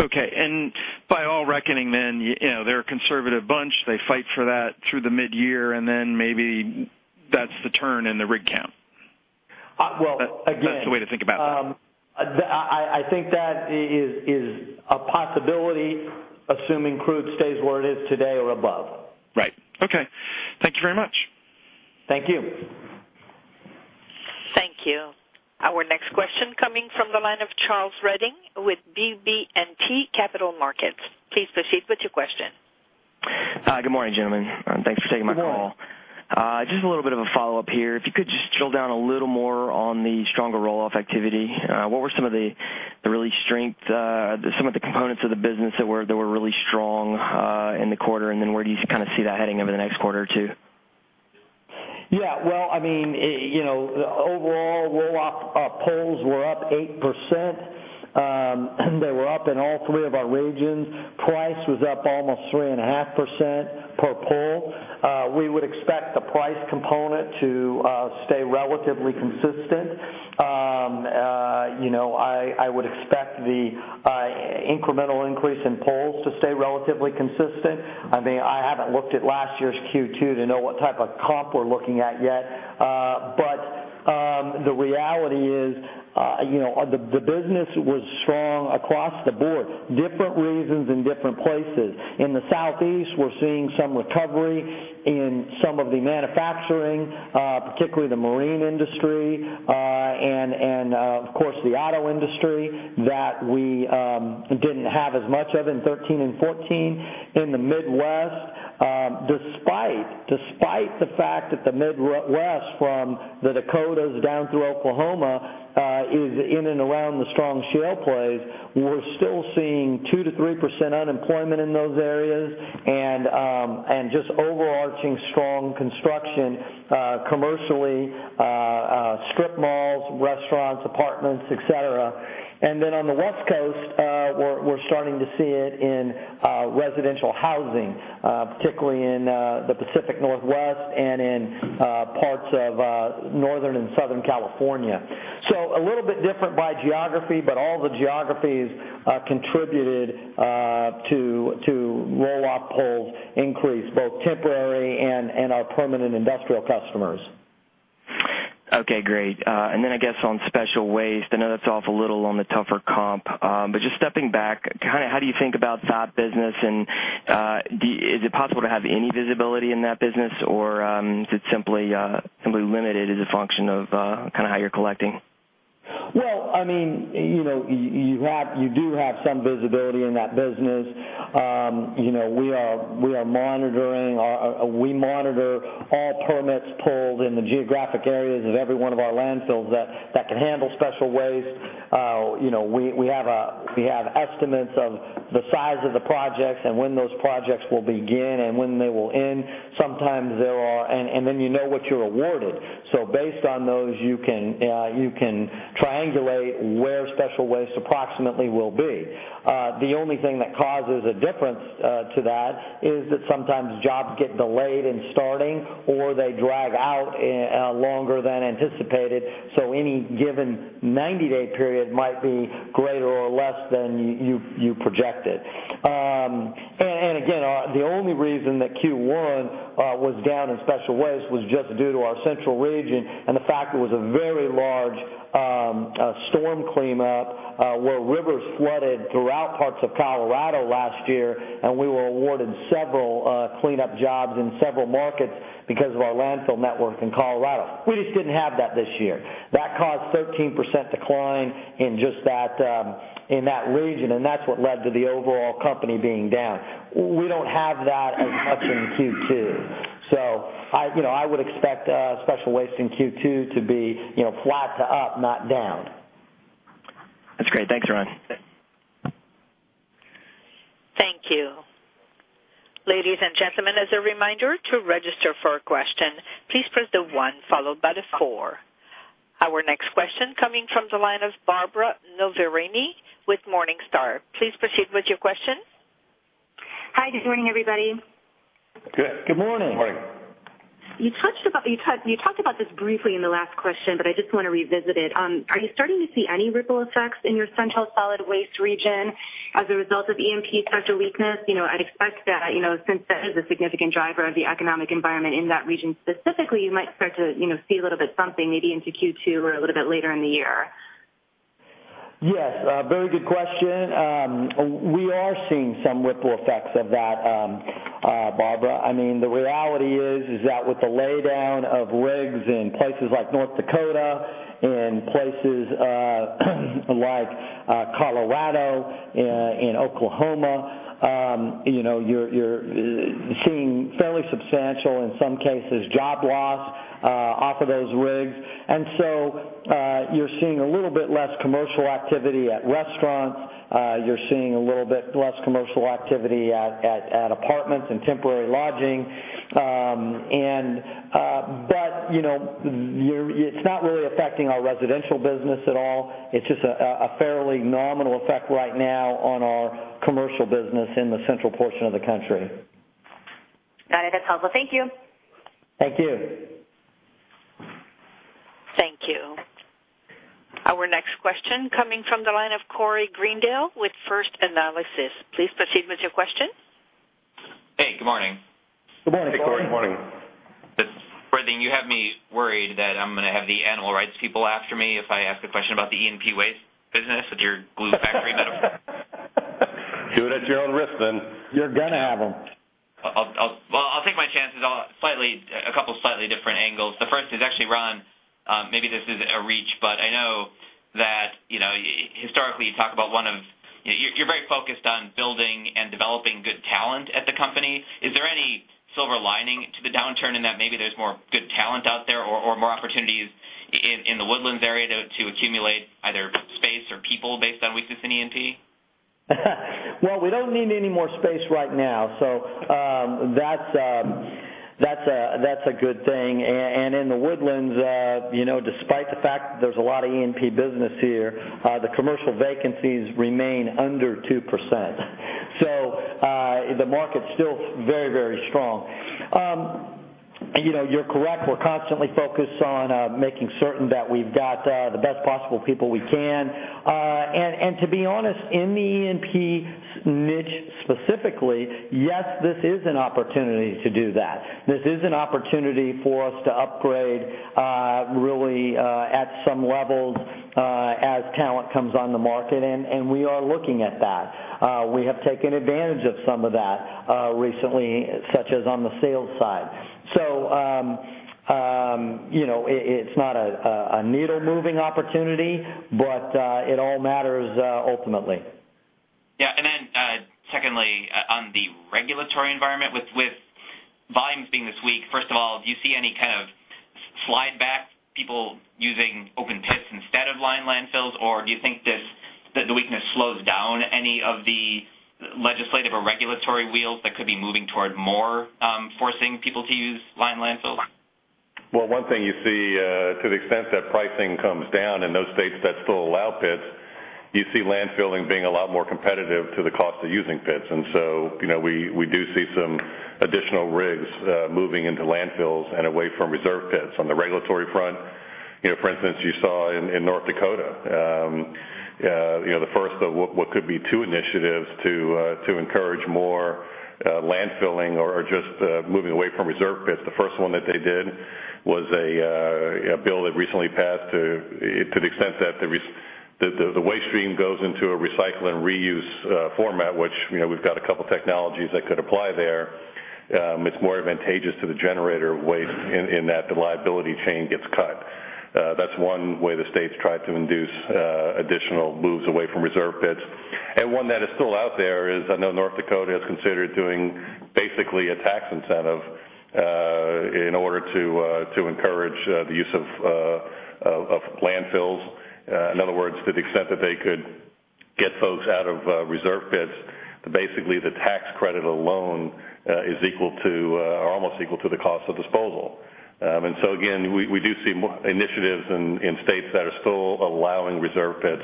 Okay. By all reckoning then, they're a conservative bunch. They fight for that through the mid-year, maybe that's the turn in the rig count? Well, again. That's the way to think about that. I think that is a possibility, assuming crude stays where it is today or above. Right. Okay. Thank you very much. Thank you. Thank you. Our next question coming from the line of Charles Redding with BB&T Capital Markets. Please proceed with your question. Hi. Good morning, gentlemen. Thanks for taking my call. Good morning. Just a little bit of a follow-up here. If you could just drill down a little more on the stronger roll-off activity. What were some of the components of the business that were really strong in the quarter, then where do you see that heading over the next quarter or two? Yeah. Well, overall roll-off poles were up 8%. They were up in all three of our regions. Price was up almost 3.5% per pole. We would expect the price component to stay relatively consistent. I would expect the incremental increase in poles to stay relatively consistent. I haven't looked at last year's Q2 to know what type of comp we're looking at yet. The reality is the business was strong across the board. Different reasons in different places. In the Southeast, we're seeing some recovery in some of the manufacturing, particularly the marine industry. Of course, the auto industry that we didn't have as much of in 2013 and 2014 in the Midwest. Despite the fact that the Midwest, from the Dakotas down through Oklahoma, is in and around the strong shale plays, we're still seeing 2%-3% unemployment in those areas and just overarching strong construction commercially, strip malls, restaurants, apartments, et cetera. On the West Coast, we're starting to see it in residential housing, particularly in the Pacific Northwest and in parts of Northern and Southern California. A little bit different by geography, but all the geographies contributed to roll-off pulls increase both temporary and our permanent industrial customers. Okay, great. I guess on special waste, I know that's off a little on the tougher comp. Just stepping back, how do you think about that business and is it possible to have any visibility in that business, or is it simply limited as a function of how you're collecting? Well, you do have some visibility in that business. We monitor all permits pulled in the geographic areas of every one of our landfills that can handle special waste. We have estimates of the size of the projects and when those projects will begin and when they will end. You know what you're awarded. Based on those, you can triangulate where special waste approximately will be. The only thing that causes a difference to that is that sometimes jobs get delayed in starting, or they drag out longer than anticipated. Any given 90-day period might be greater or less than you projected. Again, the only reason that Q1 was down in special waste was just due to our central region and the fact it was a very large storm cleanup where rivers flooded throughout parts of Colorado last year, and we were awarded several cleanup jobs in several markets because of our landfill network in Colorado. We just didn't have that this year. That caused 13% decline in that region, and that's what led to the overall company being down. We don't have that as much in Q2. I would expect special waste in Q2 to be flat to up, not down. That's great. Thanks, Ron. Thank you. Ladies and gentlemen, as a reminder to register for a question, please press the one followed by the four. Our next question coming from the line of Barbara Noverini with Morningstar. Please proceed with your question. Hi. Good morning, everybody. Good morning. Morning. You talked about this briefly in the last question. I just want to revisit it. Are you starting to see any ripple effects in your central solid waste region as a result of E&P special weakness? I'd expect that since that is a significant driver of the economic environment in that region specifically, you might start to see a little bit something maybe into Q2 or a little bit later in the year. Yes. Very good question. We are seeing some ripple effects of that, Barbara. The reality is that with the laydown of rigs in places like North Dakota, in places like Colorado, in Oklahoma, you're seeing fairly substantial, in some cases, job loss off of those rigs. You're seeing a little bit less commercial activity at restaurants. You're seeing a little bit less commercial activity at apartments and temporary lodging. It's not really affecting our residential business at all. It's just a fairly nominal effect right now on our commercial business in the central portion of the country. Got it. That's helpful. Thank you. Thank you. Thank you. Our next question coming from the line of Corey Greendale with First Analysis. Please proceed with your question. Hey, good morning. Good morning, Corey. Good morning. Brendan, you have me worried that I'm going to have the animal rights people after me if I ask a question about the E&P waste business with your glue factory metaphor. Do it at your own risk then. You're going to have them. Well, I'll take my chances on a couple slightly different angles. The first is actually, Ron, maybe this is a reach, but I know that historically you talk about one of You're very focused on building and developing good talent at the company. Is there any silver lining to the downturn in that maybe there's more good talent out there or more opportunities in the Woodlands area to accumulate either space or people based on weakness in E&P? We don't need any more space right now, that's a good thing. In the Woodlands, despite the fact that there's a lot of E&P business here, the commercial vacancies remain under 2%. The market's still very strong. You're correct. We're constantly focused on making certain that we've got the best possible people we can. To be honest, in the E&P niche specifically, yes, this is an opportunity to do that. This is an opportunity for us to upgrade really at some levels as talent comes on the market, we are looking at that. We have taken advantage of some of that recently, such as on the sales side. It's not a needle-moving opportunity, but it all matters ultimately. Secondly, on the regulatory environment with volumes being this weak, first of all, do you see any kind of slide back, people using open pits instead of lined landfills? Do you think the weakness slows down any of the legislative or regulatory wheels that could be moving toward more forcing people to use lined landfills? One thing you see to the extent that pricing comes down in those states that still allow pits, you see landfilling being a lot more competitive to the cost of using pits. We do see some additional rigs moving into landfills and away from reserve pits. On the regulatory front, for instance, you saw in North Dakota the first of what could be two initiatives to encourage more landfilling or just moving away from reserve pits. The first one that they did was a bill that recently passed to the extent that the waste stream goes into a recycle and reuse format, which we've got a couple of technologies that could apply there. It's more advantageous to the generator of waste in that the liability chain gets cut. That's one way the state's tried to induce additional moves away from reserve pits. One that is still out there is I know North Dakota has considered doing basically a tax incentive in order to encourage the use of landfills. In other words, to the extent that they could get folks out of reserve pits, basically the tax credit alone is almost equal to the cost of disposal. Again, we do see initiatives in states that are still allowing reserve pits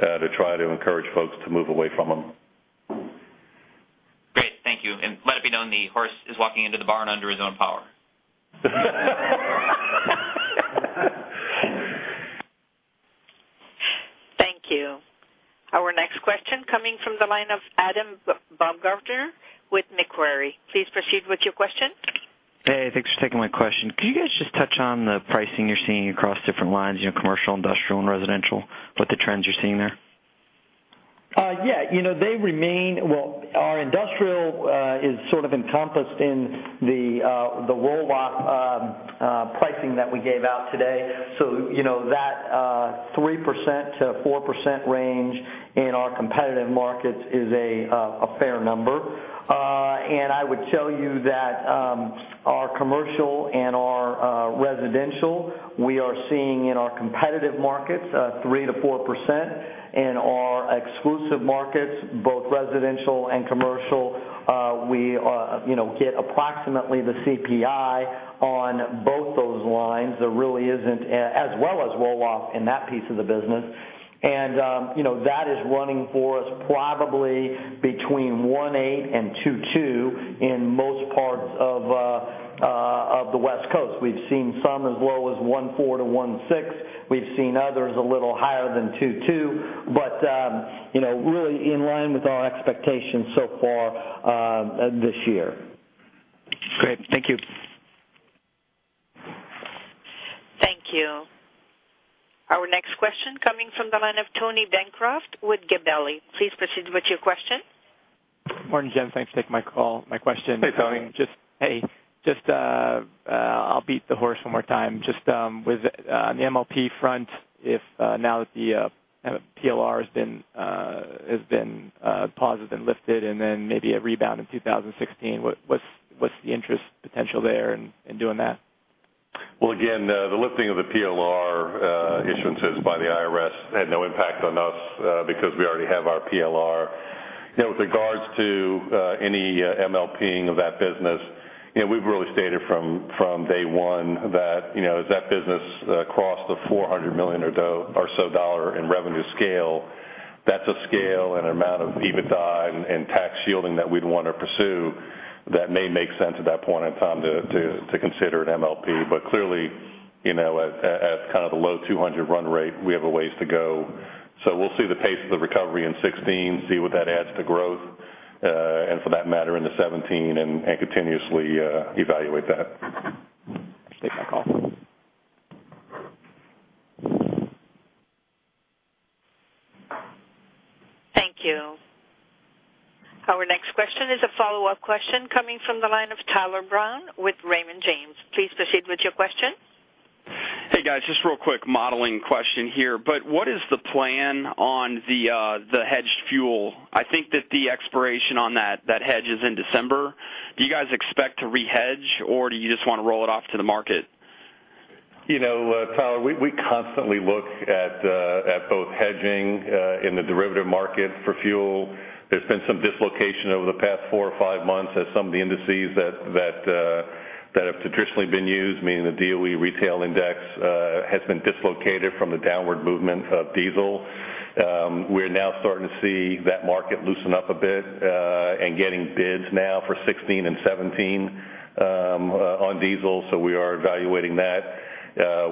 to try to encourage folks to move away from them. Great. Thank you. Let it be known the horse is walking into the barn under his own power. Thank you. Our next question coming from the line of Adam Baumgarten with Macquarie. Please proceed with your question. Hey, thanks for taking my question. Could you guys just touch on the pricing you're seeing across different lines, commercial, industrial, and residential, what the trends you're seeing there? Yeah. Our industrial is sort of encompassed in the roll-off pricing that we gave out today. That 3%-4% range in our competitive markets is a fair number. I would tell you that our commercial and our residential, we are seeing in our competitive markets a 3%-4%. In our exclusive markets, both residential and commercial, we get approximately the CPI on both those lines, as well as roll-off in that piece of the business. That is running for us probably between 1.8% and 2.2% in most parts of the West Coast. We've seen some as low as 1.4%-1.6%. We've seen others a little higher than 2.2%, but really in line with our expectations so far this year. Great. Thank you. Thank you. Our next question coming from the line of Tony Bancroft with Gabelli. Please proceed with your question. Morning, gents. Thanks for taking my call. Hey, Tony. Hey. Just, I'll beat the horse one more time. Just with on the MLP front, if now that the PLR has been paused and lifted, maybe a rebound in 2016, what's the interest potential there in doing that? Well, again, the lifting of the PLR issuance by the IRS had no impact on us because we already have our PLR. With regards to any MLP-ing of that business, we've really stated from day one that as that business crossed the $400 million or so dollar in revenue scale, that's a scale and amount of EBITDA and tax shielding that we'd want to pursue that may make sense at that point in time to consider an MLP. Clearly, at kind of the low 200 run rate, we have a ways to go. We'll see the pace of the recovery in 2016, see what that adds to growth, and for that matter, into 2017 and continuously evaluate that. Thanks for taking my call. Thank you. Our next question is a follow-up question coming from the line of Tyler Brown with Raymond James. Please proceed with your question. Hey guys, just real quick modeling question here, what is the plan on the hedged fuel? I think that the expiration on that hedge is in December. Do you guys expect to rehedge or do you just want to roll it off to the market? Tyler, we constantly look at both hedging in the derivative market for fuel. There's been some dislocation over the past four or five months as some of the indices that have traditionally been used, meaning the DOE retail index, has been dislocated from the downward movement of diesel. We're now starting to see that market loosen up a bit and getting bids now for 2016 and 2017 on diesel. We are evaluating that.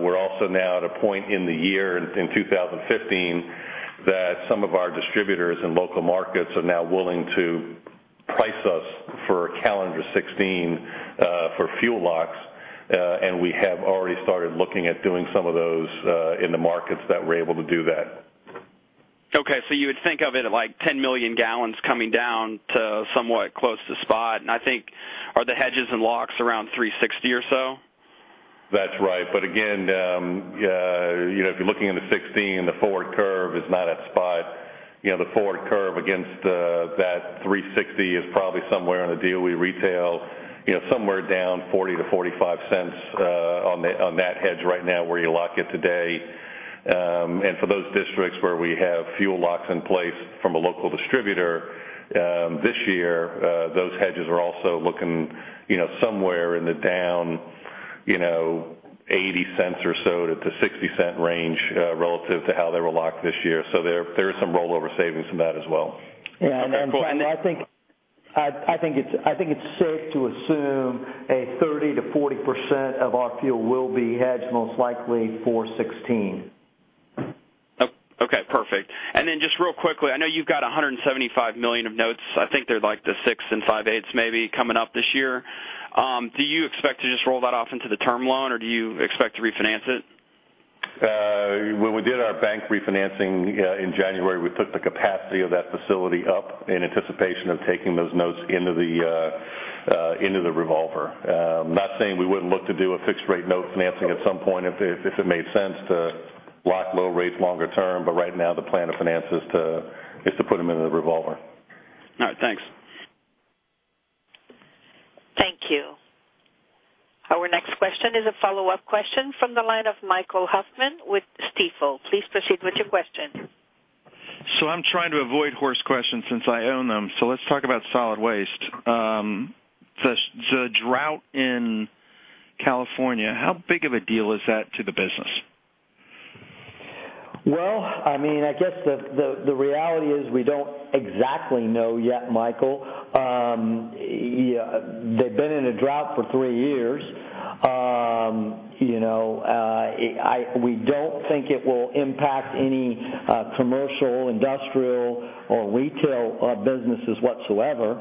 We're also now at a point in the year in 2015 that some of our distributors in local markets are now willing to price us for calendar 2016 for fuel locks. We have already started looking at doing some of those in the markets that we're able to do that. Okay. You would think of it like 10 million gallons coming down to somewhat close to spot. I think, are the hedges and locks around 360 or so? That's right. Again, if you're looking into 2016 and the forward curve is not at spot, the forward curve against that 360 is probably somewhere in the DOE retail, somewhere down $0.40-$0.45 on that hedge right now where you lock it today. For those districts where we have fuel locks in place from a local distributor this year, those hedges are also looking somewhere in the down $0.80 or so to the $0.60 range relative to how they were locked this year. There is some rollover savings in that as well. Yeah. Okay, cool. I think it's safe to assume a 30%-40% of our fuel will be hedged most likely for 2016. Okay, perfect. Just real quickly, I know you've got $175 million of notes. I think they're like the six and five-eighths maybe coming up this year. Do you expect to just roll that off into the term loan, or do you expect to refinance it? When we did our bank refinancing in January, we put the capacity of that facility up in anticipation of taking those notes into the revolver. I'm not saying we wouldn't look to do a fixed rate note financing at some point if it made sense to lock low rates longer term. Right now, the plan of finance is to put them in the revolver. All right. Thanks. Thank you. Our next question is a follow-up question from the line of Michael Hoffman with Stifel. Please proceed with your question. I'm trying to avoid horse questions since I own them. Let's talk about solid waste. The drought in California, how big of a deal is that to the business? Well, I guess the reality is we don't exactly know yet, Michael. They've been in a drought for three years. We don't think it will impact any commercial, industrial, or retail businesses whatsoever.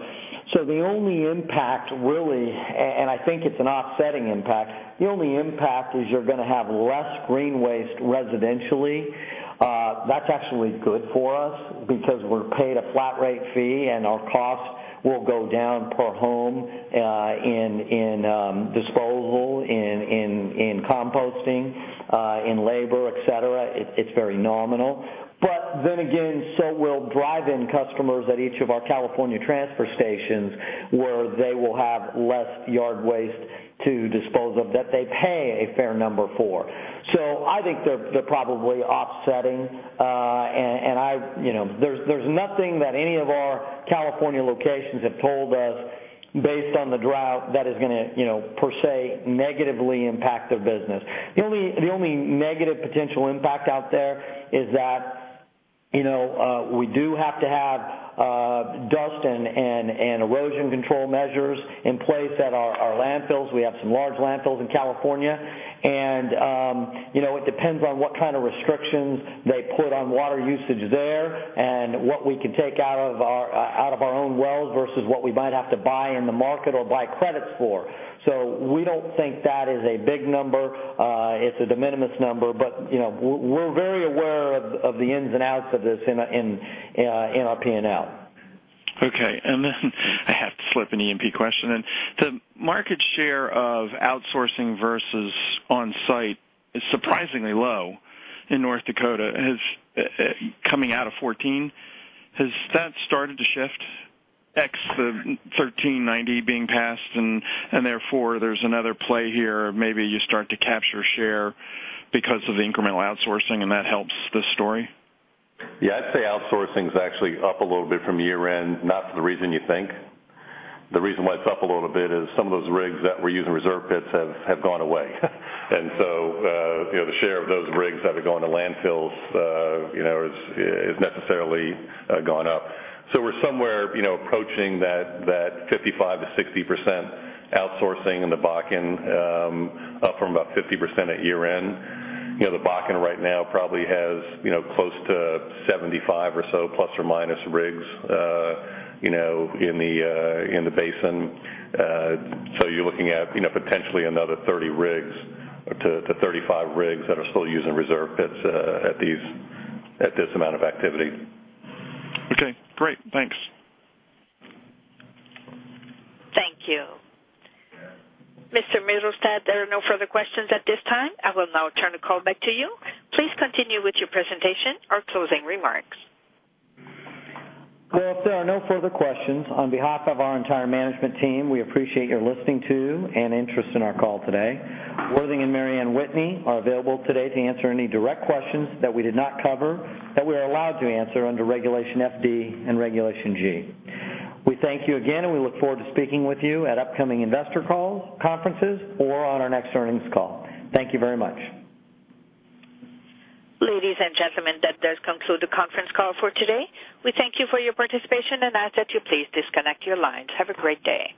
The only impact really, and I think it's an offsetting impact, the only impact is you're going to have less green waste residentially. That's actually good for us because we're paid a flat rate fee, and our costs will go down per home, in disposal, in composting, in labor, et cetera. It's very nominal. Again, so will drive-in customers at each of our California transfer stations where they will have less yard waste to dispose of that they pay a fair number for. I think they're probably offsetting. There's nothing that any of our California locations have told us based on the drought that is going to, per se, negatively impact their business. The only negative potential impact out there is that we do have to have dust and erosion control measures in place at our landfills. We have some large landfills in California. It depends on what kind of restrictions they put on water usage there and what we can take out of our own wells versus what we might have to buy in the market or buy credits for. We don't think that is a big number. It's a de minimis number, but we're very aware of the ins and outs of this in our P&L. Okay. Then I have to slip an E&P question in. The market share of outsourcing versus on-site is surprisingly low in North Dakota. Coming out of 2014, has that started to shift, ex the 1390 being passed and therefore there's another play here, maybe you start to capture share because of the incremental outsourcing and that helps this story? Yeah, I'd say outsourcing's actually up a little bit from year-end, not for the reason you think. The reason why it's up a little bit is some of those rigs that were using reserve pits have gone away. The share of those rigs that are going to landfills has necessarily gone up. We're somewhere approaching that 55%-60% outsourcing in the Bakken, up from about 50% at year-end. The Bakken right now probably has close to 75 or so, plus or minus rigs, in the basin. You're looking at potentially another 30-35 rigs that are still using reserve pits at this amount of activity. Okay, great. Thanks. Thank you. Mr. Mittelstaedt, there are no further questions at this time. I will now turn the call back to you. Please continue with your presentation or closing remarks. Well, if there are no further questions, on behalf of our entire management team, we appreciate your listening to and interest in our call today. Worthing and Mary Anne Whitney are available today to answer any direct questions that we did not cover that we are allowed to answer under Regulation FD and Regulation G. We thank you again. We look forward to speaking with you at upcoming investor calls, conferences, or on our next earnings call. Thank you very much. Ladies and gentlemen, that does conclude the conference call for today. We thank you for your participation and ask that you please disconnect your lines. Have a great day.